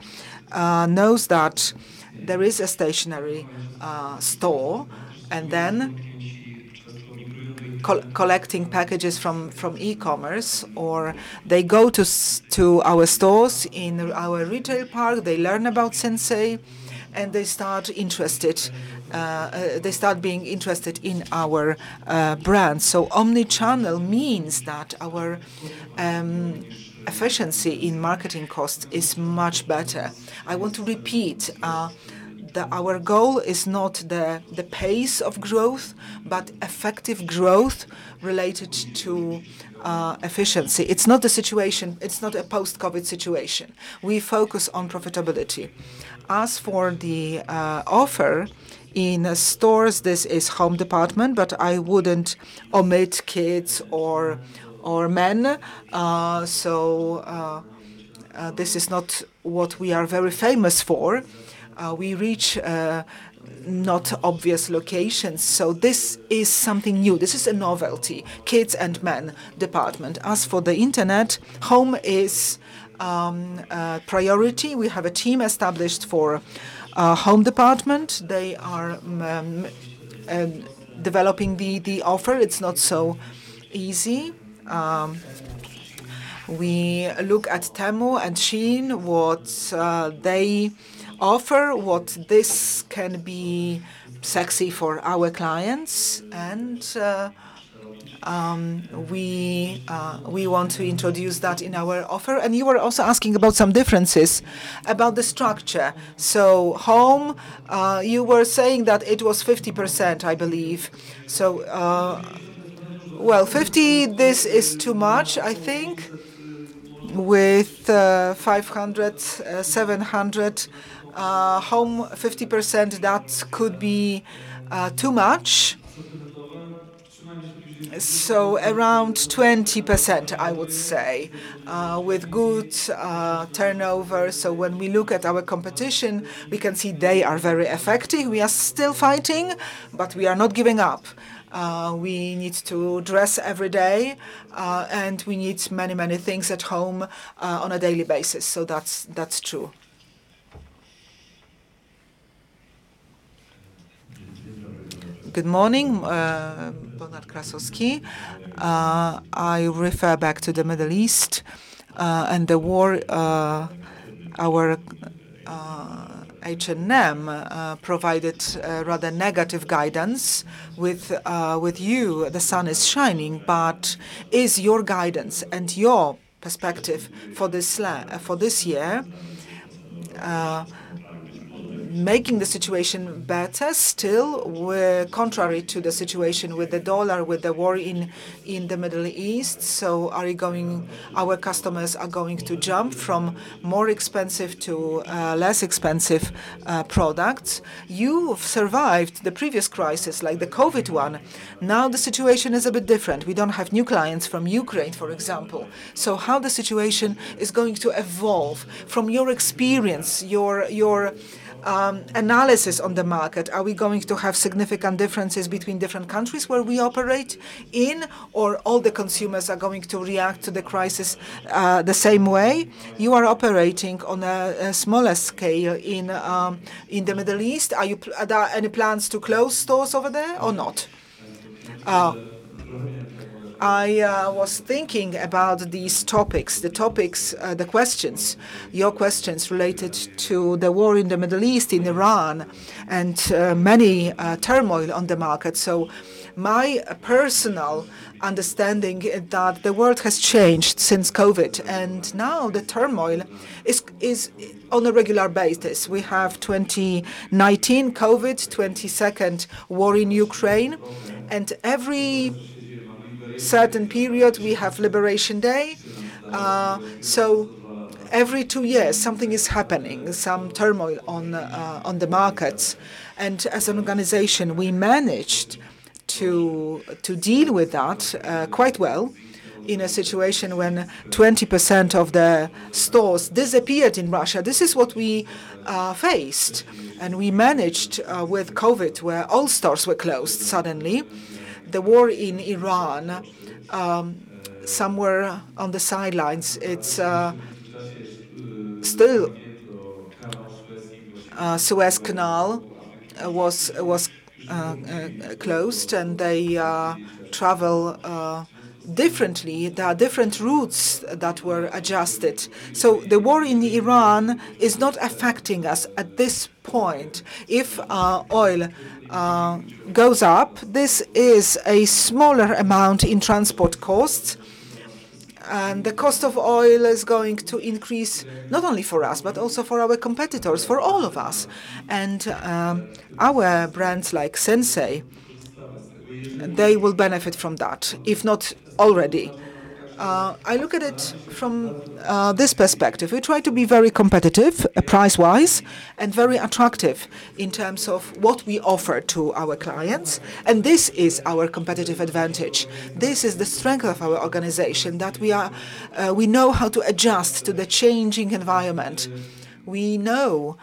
knows that there is a stationary store, and then collecting packages from e-commerce, or they go to our stores in our retail park, they learn about Sinsay, and they start being interested in our brand. Omnichannel means that our efficiency in marketing costs is much better. I want to repeat, our goal is not the pace of growth, but effective growth related to efficiency. It's not the situation, it's not a post-COVID situation. We focus on profitability. As for the offer in stores, this is home department, but I wouldn't omit kids or men. So this is not what we are very famous for. We reach not obvious locations, so this is something new. This is a novelty, kids and men department. As for the internet, home is a priority. We have a team established for a home department. They are developing the offer. It's not so easy. We look at Temu and SHEIN, what they offer, what this can be sexy for our clients. We want to introduce that in our offer. You were also asking about some differences about the structure. H&M, you were saying that it was 50%, I believe. Well, 50, this is too much, I think, with 500, 700. Home,50% deduct, could be too much. Around 20%, I would say, with good turnover. When we look at our competition, we can see they are very effective. We are still fighting, but we are not giving up. We need to dress every day, and we need many things at home on a daily basis. That's true. Good morning, Bernard Krasowski. I refer back to the Middle East and the war. Our H&M provided a rather negative guidance. With you, the sun is shining, but is your guidance and your perspective for this year making the situation better? Still we're contrary to the situation with the dollar, with the war in the Middle East. Are our customers going to jump from more expensive to less expensive products? You have survived the previous crisis like the COVID one. Now the situation is a bit different. We don't have new clients from Ukraine, for example. How the situation is going to evolve? From your experience, your analysis on the market, are we going to have significant differences between different countries where we operate in, or all the consumers are going to react to the crisis, the same way? You are operating on a smaller scale in the Middle East. Are there any plans to close stores over there or not? I was thinking about these topics, the questions, your questions related to the war in the Middle East, in Iran, and many turmoil on the market. My personal understanding is that the world has changed since COVID, and now the turmoil is on a regular basis. We have 2019 COVID, 2022 war in Ukraine, and every certain period we have Liberation Day. Every two years something is happening, some turmoil on the markets. As an organization, we managed to deal with that quite well in a situation when 20% of the stores disappeared in Russia. This is what we faced, and we managed with COVID, where all stores were closed suddenly. The war in Iran, somewhere on the sidelines, it's still, the Suez Canal was closed, and they travel differently. There are different routes that were adjusted. The war in Iran is not affecting us at this point. If oil goes up, this is a smaller amount in transport costs. The cost of oil is going to increase not only for us, but also for our competitors, for all of us. Our brands like Sinsay, they will benefit from that, if not already. I look at it from this perspective. We try to be very competitive price-wise and very attractive in terms of what we offer to our clients, and this is our competitive advantage. This is the strength of our organization, that we know how to adjust to the changing environment. We know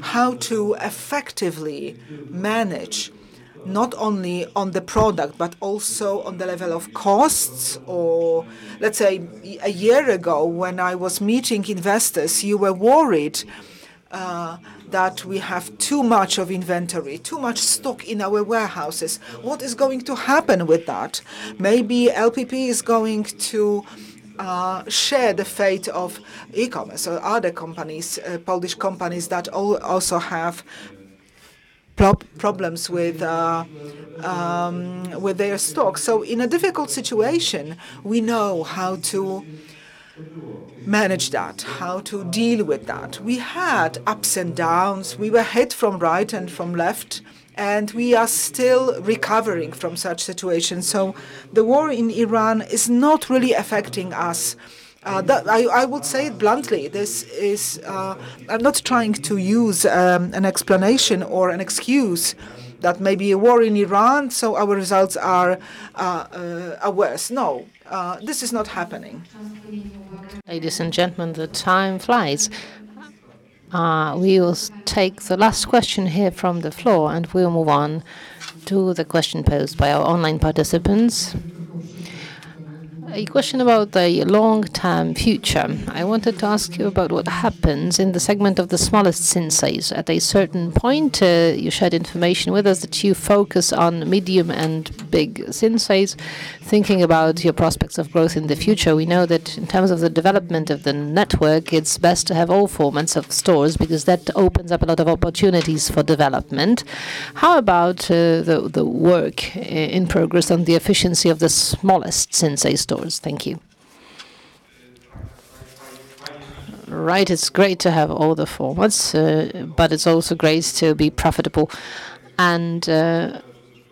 how to effectively manage not only on the product, but also on the level of costs. Let's say a year ago, when I was meeting investors, you were worried that we have too much of inventory, too much stock in our warehouses. What is going to happen with that? Maybe LPP is going to share the fate of e-commerce or other companies, Polish companies that also have problems with their stock. In a difficult situation, we know how to manage that, how to deal with that. We had ups and downs. We were hit from right and from left, and we are still recovering from such situations. The war in Iran is not really affecting us. That I would say it bluntly, this is. I'm not trying to use an explanation or an excuse that maybe a war in Iran so our results are worse. No, this is not happening. Ladies and gentlemen, the time flies. We will take the last question here from the floor, and we will move on to the question posed by our online participants. A question about the long-term future. I wanted to ask you about what happens in the segment of the smallest Sinsays. At a certain point, you shared information with us that you focus on medium and big Sinsays. Thinking about your prospects of growth in the future, we know that in terms of the development of the network, it's best to have all formats of stores because that opens up a lot of opportunities for development. How about the work in progress on the efficiency of the smallest Sinsay stores? Thank you. Right. It's great to have all the formats, but it's also great to be profitable.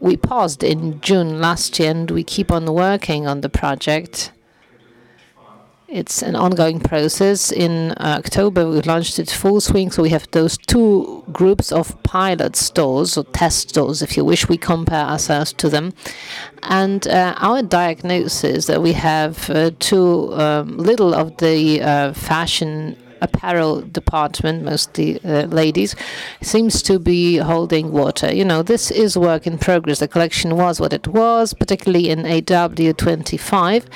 We paused in June last year, and we keep on working on the project. It's an ongoing process. In October, we launched it full swing. We have those two groups of pilot stores or test stores, if you wish. We compare ourselves to them. Our diagnosis that we have too little of the fashion apparel department, mostly ladies, seems to be holding water. You know, this is work in progress. The collection was what it was, particularly in AW 2025.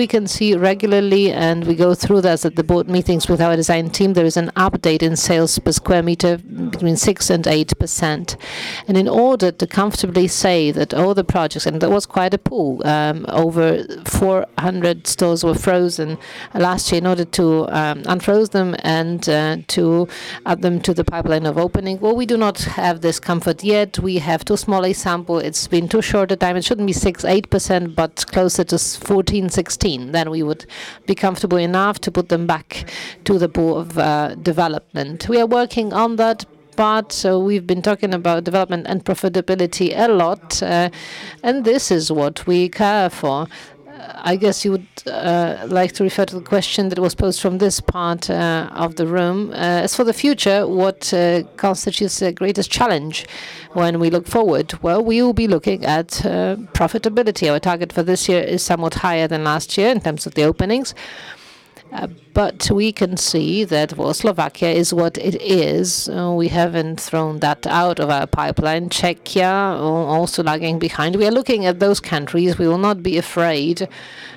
We can see regularly, and we go through this at the board meetings with our design team. There is an update in sales per sq m between 6% and 8%. In order to comfortably say that all the projects, and there was quite a pool, over 400 stores were frozen last year, in order to unfreeze them and to add them to the pipeline of opening. Well, we do not have this comfort yet. We have too small a sample. It's been too short a time. It shouldn't be 6%-8%, but closer to 14%-16%, then we would be comfortable enough to put them back to the pool of development. We are working on that part. We've been talking about development and profitability a lot, and this is what we care for. I guess you would like to refer to the question that was posed from this part of the room. As for the future, what constitutes the greatest challenge when we look forward? Well, we will be looking at profitability. Our target for this year is somewhat higher than last year in terms of the openings. We can see that, well, Slovakia is what it is. We haven't thrown that out of our pipeline. Czechia, also lagging behind. We are looking at those countries. We will not be afraid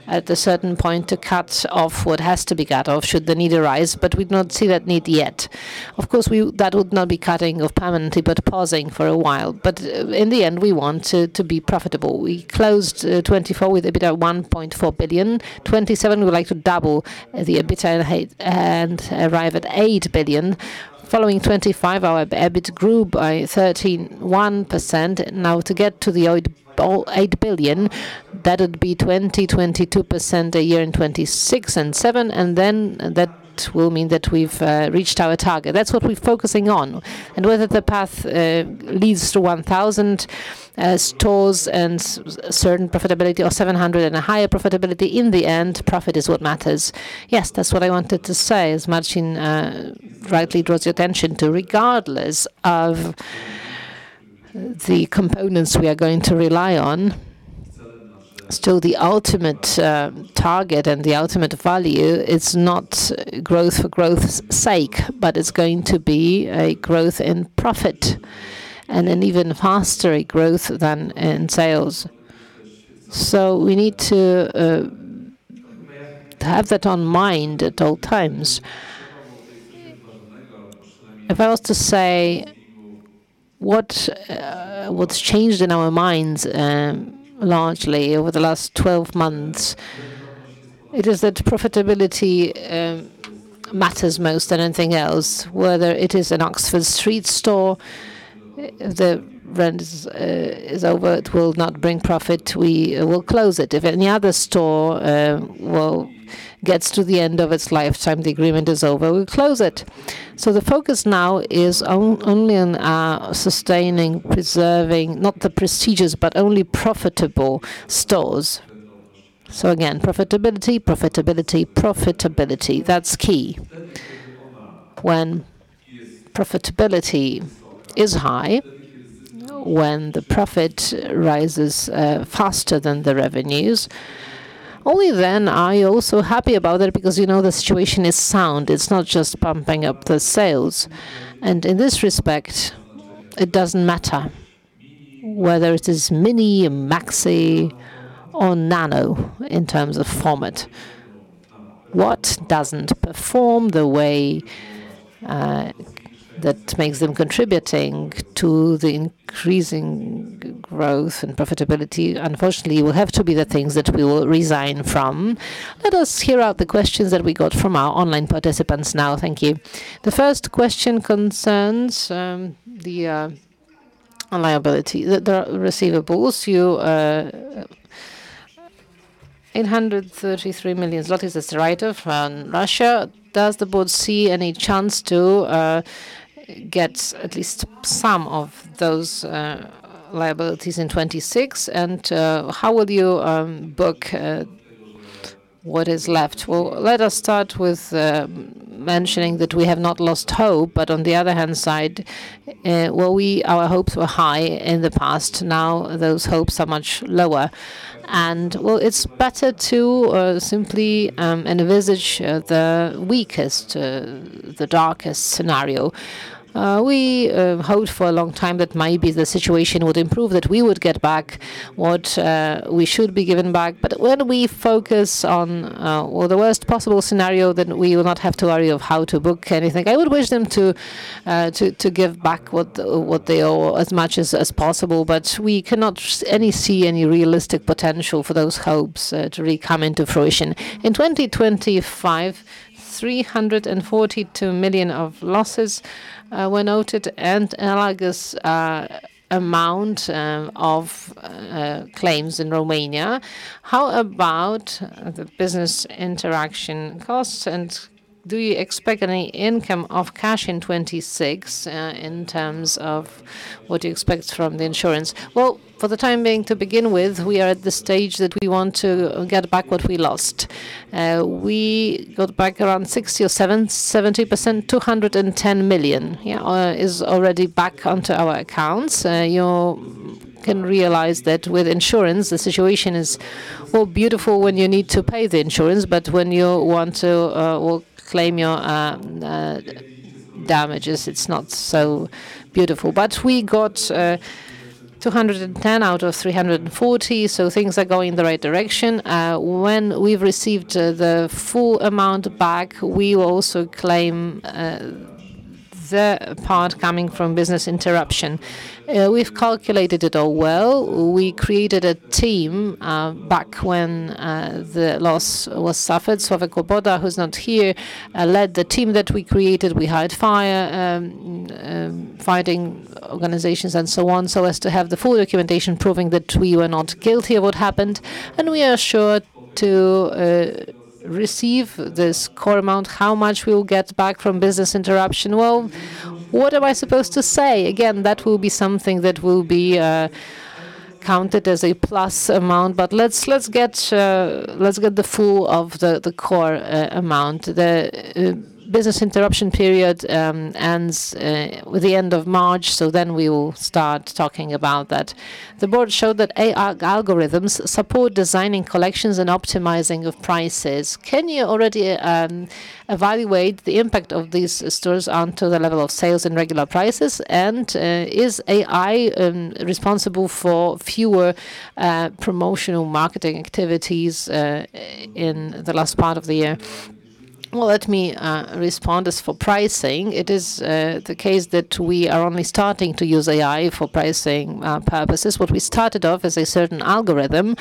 at a certain point to cut off what has to be cut off should the need arise, but we do not see that need yet. Of course, that would not be cutting off permanently, but pausing for a while. In the end, we want to be profitable. We closed 2024 with EBIT at 1.4 billion. 2027, we would like to double the EBIT and hit, and arrive at 8 billion. Following 2025, our EBIT grew by 13.1%. Now to get to the 8.8 billion, that'd be 22% a year in 2026 and 2027, and then that will mean that we've reached our target. That's what we're focusing on. Whether the path leads to 1,000 stores and certain profitability or 700 and a higher profitability, in the end, profit is what matters. Yes, that's what I wanted to say, as Marcin rightly draws your attention to. Regardless of the components we are going to rely on still the ultimate target and the ultimate value is not growth for growth's sake, but it's going to be a growth in profit and an even faster growth than in sales. We need to have that in mind at all times. If I was to say what's changed in our minds largely over the last 12 months, it is that profitability matters more than anything else. Whether it is an Oxford Street store, the rent is over, it will not bring profit, we will close it. If any other store gets to the end of its lifetime, the agreement is over, we'll close it. The focus now is only on sustaining, preserving, not the prestigious, but only profitable stores. Again, profitability, profitability. That's key. When profitability is high, when the profit rises faster than the revenues, only then are you also happy about it because you know the situation is sound. It's not just pumping up the sales. In this respect, it doesn't matter whether it is mini, maxi, or nano in terms of format. What doesn't perform the way that makes them contributing to the increasing growth and profitability, unfortunately, will have to be the things that we will resign from. Let us hear out the questions that we got from our online participants now. Thank you. The first question concerns the liability, the receivables. 833 million zlotys is the write-off from Russia. Does the board see any chance to get at least some of those liabilities in 2026? And how would you book what is left? Well, let us start with mentioning that we have not lost hope. On the other hand side, well, our hopes were high in the past. Now those hopes are much lower. Well, it's better to simply envisage the weakest, the darkest scenario. We hoped for a long time that maybe the situation would improve, that we would get back what we should be given back. When we focus on, well, the worst possible scenario, then we will not have to worry of how to book anything. I would wish them to give back what they owe as much as possible. We cannot see any realistic potential for those hopes to really come into fruition. In 2025, 342 million of losses were noted and analogous amount of claims in Romania. How about the business interruption costs, and do you expect any inflow of cash in 2026 in terms of what you expect from the insurance? Well, for the time being, to begin with, we are at the stage that we want to get back what we lost. We got back around 60% or 70%, 210 million Yeah Is already back onto our accounts. You can realize that with insurance, the situation is, well, beautiful when you need to pay the insurance, but when you want to, well, claim your damages, it's not so beautiful. We got 210 million out of 340 million, so things are going in the right direction. When we've received the full amount back, we will also claim the part coming from business interruption. We've calculated it all well. We created a team back when the loss was suffered. Sławomir Łoboda, who's not here, led the team that we created. We hired fire fighting organizations and so on, so as to have the full documentation proving that we were not guilty of what happened. We are assured to receive this core amount. How much we will get back from business interruption? Well, what am I supposed to say? Again, that will be something that will be counted as a plus amount. But let's get the full core amount. The business interruption period ends with the end of March, so then we will start talking about that. The board showed that AI algorithms support designing collections and optimizing of prices. Can you already evaluate the impact of these stores onto the level of sales and regular prices? Is AI responsible for fewer promotional marketing activities in the last part of the year? Well, let me respond. As for pricing, it is the case that we are only starting to use AI for pricing purposes. What we started off as a certain algorithm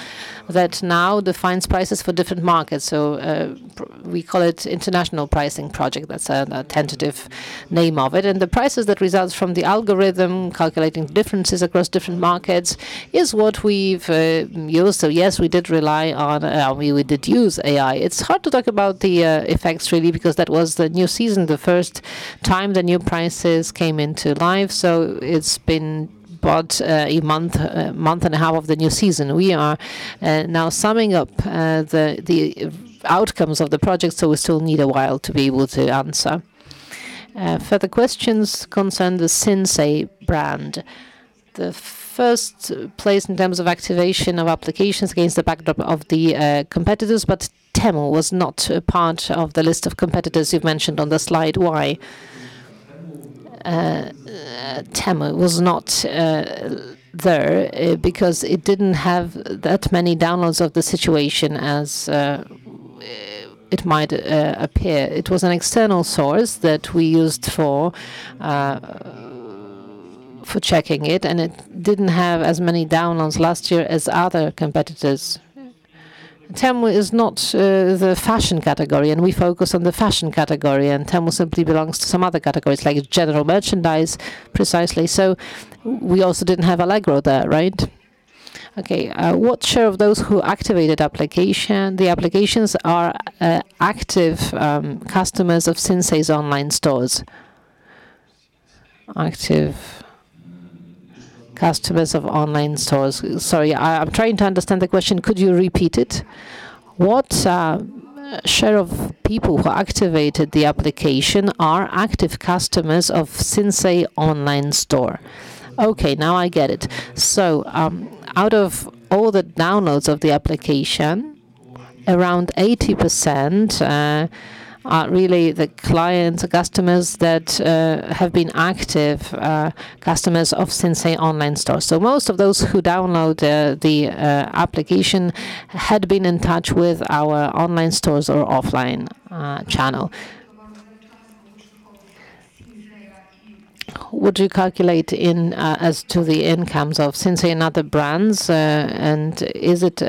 that now defines prices for different markets. We call it international pricing project. That's a tentative name of it. The prices that results from the algorithm, calculating differences across different markets is what we've used. Yes, we did rely on, we did use AI. It's hard to talk about the effects really, because that was the new season, the first time the new prices came into life. It's been about a month and a half of the new season. We are now summing up the outcomes of the project, so we still need a while to be able to answer. Further questions concern the Sinsay brand. The first place in terms of activation of applications against the backdrop of the competitors, but Temu was not a part of the list of competitors you've mentioned on the slide. Why? Temu was not there because it didn't have that many downloads as it might appear. It was an external source that we used for checking it, and it didn't have as many downloads last year as other competitors. Temu is not the fashion category, and we focus on the fashion category, and Temu simply belongs to some other categories like general merchandise, precisely. We also didn't have Allegro there, right? Okay. What share of those who activated the application are active customers of Sinsay's online stores? Active customers of online stores. Sorry, I'm trying to understand the question. Could you repeat it? What share of people who activated the application are active customers of Sinsay online store? Okay, now I get it. Out of all the downloads of the application, around 80% are really the clients or customers that have been active customers of Sinsay online store. Most of those who download the application had been in touch with our online stores or offline channel. Would you calculate in as to the incomes of Sinsay and other brands? Is it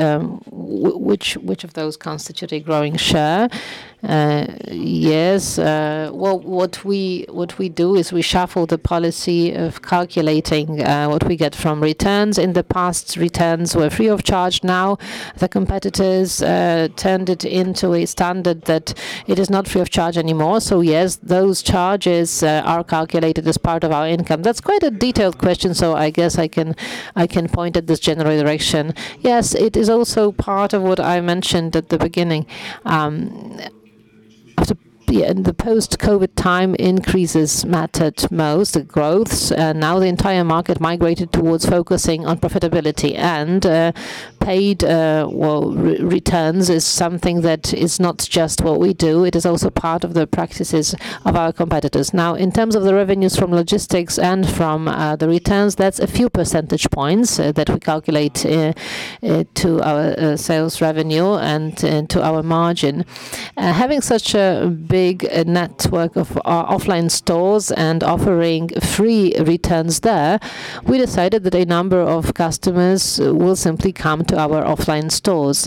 which of those constitute a growing share? Yes. Well, what we do is we shuffle the policy of calculating what we get from returns. In the past, returns were free of charge. Now, the competitors turned it into a standard that it is not free of charge anymore. Yes, those charges are calculated as part of our income. That's quite a detailed question, so I guess I can point at this general direction. Yes, it is also part of what I mentioned at the beginning. In the post-COVID time, increases mattered most, the growths. Now the entire market migrated towards focusing on profitability. Paid returns is something that is not just what we do, it is also part of the practices of our competitors. Now, in terms of the revenues from logistics and from the returns, that's a few percentage points that we calculate to our sales revenue and to our margin. Having such a big network of offline stores and offering free returns there, we decided that a number of customers will simply come to our offline stores.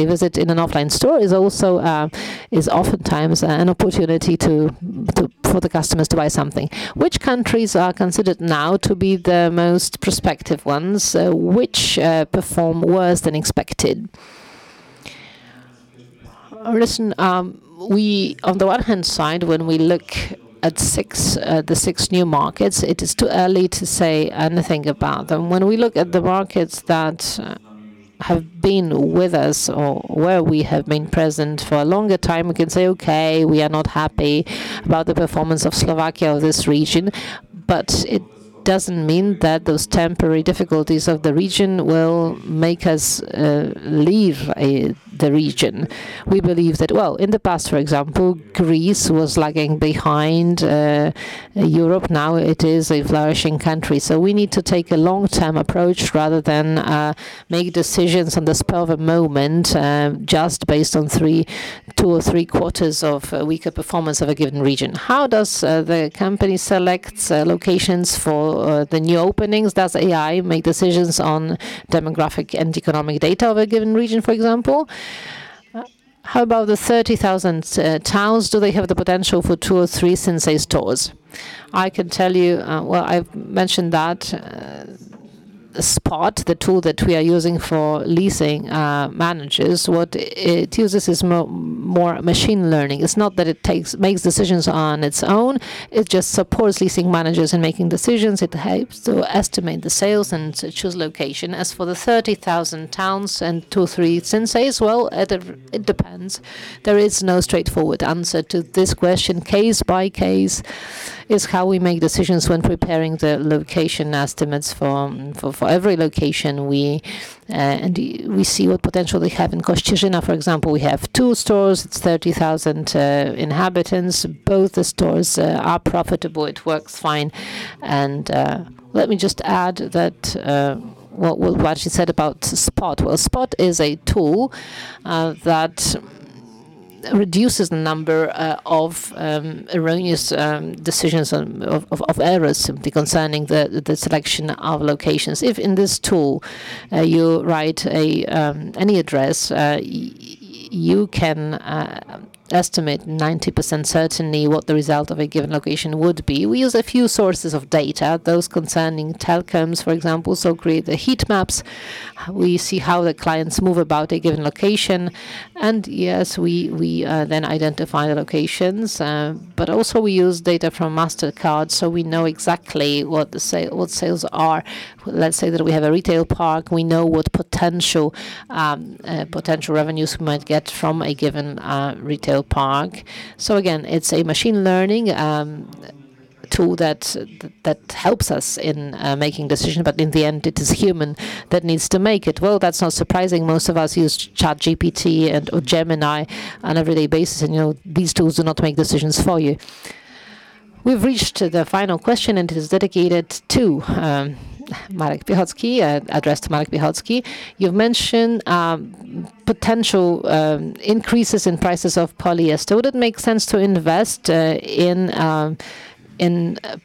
A visit in an offline store is also oftentimes an opportunity for the customers to buy something. Which countries are considered now to be the most prospective ones? Which perform worse than expected? Listen, we. On the one hand side, when we look at six new markets, it is too early to say anything about them. When we look at the markets that have been with us or where we have been present for a longer time, we can say, "Okay, we are not happy about the performance of Slovakia or this region." It doesn't mean that those temporary difficulties of the region will make us leave the region. We believe that, well, in the past, for example, Greece was lagging behind Europe. Now it is a flourishing country. We need to take a long-term approach rather than make decisions on the spur of a moment, just based on two or three quarters of weaker performance of a given region. How does the company select locations for the new openings? Does AI make decisions on demographic and economic data of a given region, for example? How about the 30,000 towns, do they have the potential for two or three Sinsay stores? I can tell you, well, I've mentioned that, The Spot, the tool that we are using for leasing managers, what it uses is more machine learning. It's not that it makes decisions on its own. It just supports leasing managers in making decisions. It helps to estimate the sales and to choose location. As for the 30,000 towns and two, three Sinsays, well, it depends. There is no straightforward answer to this question. Case by case is how we make decisions when preparing the location estimates for every location, and we see what potential they have. In Kościerzyna, for example, we have two stores. It's 30,000 inhabitants. Both the stores are profitable. It works fine. Let me just add that what she said about Spot. Well, Spot is a tool that reduces the number of erroneous decisions and of errors simply concerning the selection of locations. If in this tool you write any address you can estimate 90% certainly what the result of a given location would be. We use a few sources of data, those concerning telecoms, for example. So create the heat maps. We see how the clients move about a given location. Yes, we then identify the locations. But also we use data from Mastercard, so we know exactly what sales are. Let's say that we have a retail park. We know what potential revenues we might get from a given retail park. Again, it's a machine learning tool that helps us in making decision, but in the end it is human that needs to make it. Well, that's not surprising. Most of us use ChatGPT and or Gemini on every day basis, and you know, these tools do not make decisions for you. We've reached the final question, and it is dedicated to Marek Piechocki, addressed to Marek Piechocki. You've mentioned potential increases in prices of polyester. Would it make sense to invest in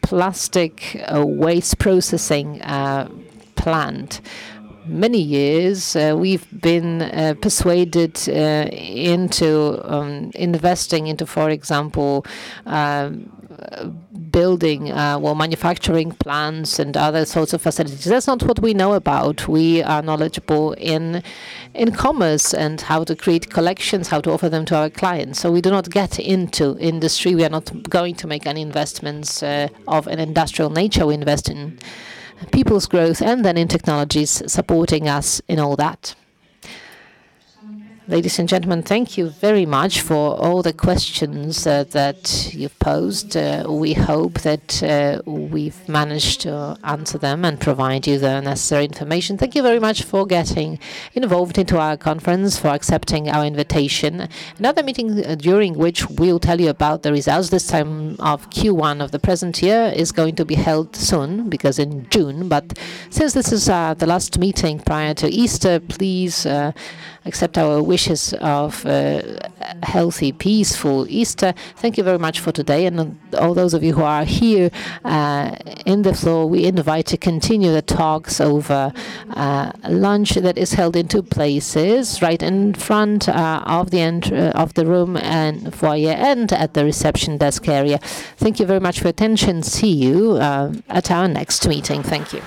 plastic waste processing plant? Many years we've been persuaded into investing into, for example, building manufacturing plants and other sorts of facilities. That's not what we know about. We are knowledgeable in commerce and how to create collections, how to offer them to our clients. We do not get into industry. We are not going to make any investments of an industrial nature. We invest in people's growth and then in technologies supporting us in all that. Ladies and gentlemen, thank you very much for all the questions that you posed. We hope that we've managed to answer them and provide you the necessary information. Thank you very much for getting involved into our conference, for accepting our invitation. Another meeting during which we'll tell you about the results this time of Q1 of the present year is going to be held soon because in June. Since this is the last meeting prior to Easter, please accept our wishes of a healthy, peaceful Easter. Thank you very much for today. All those of you who are here on the floor, we invite to continue the talks over lunch that is held in two places, right in front of the entrance of the room and foyer and at the reception desk area. Thank you very much for attention. See you at our next meeting. Thank you.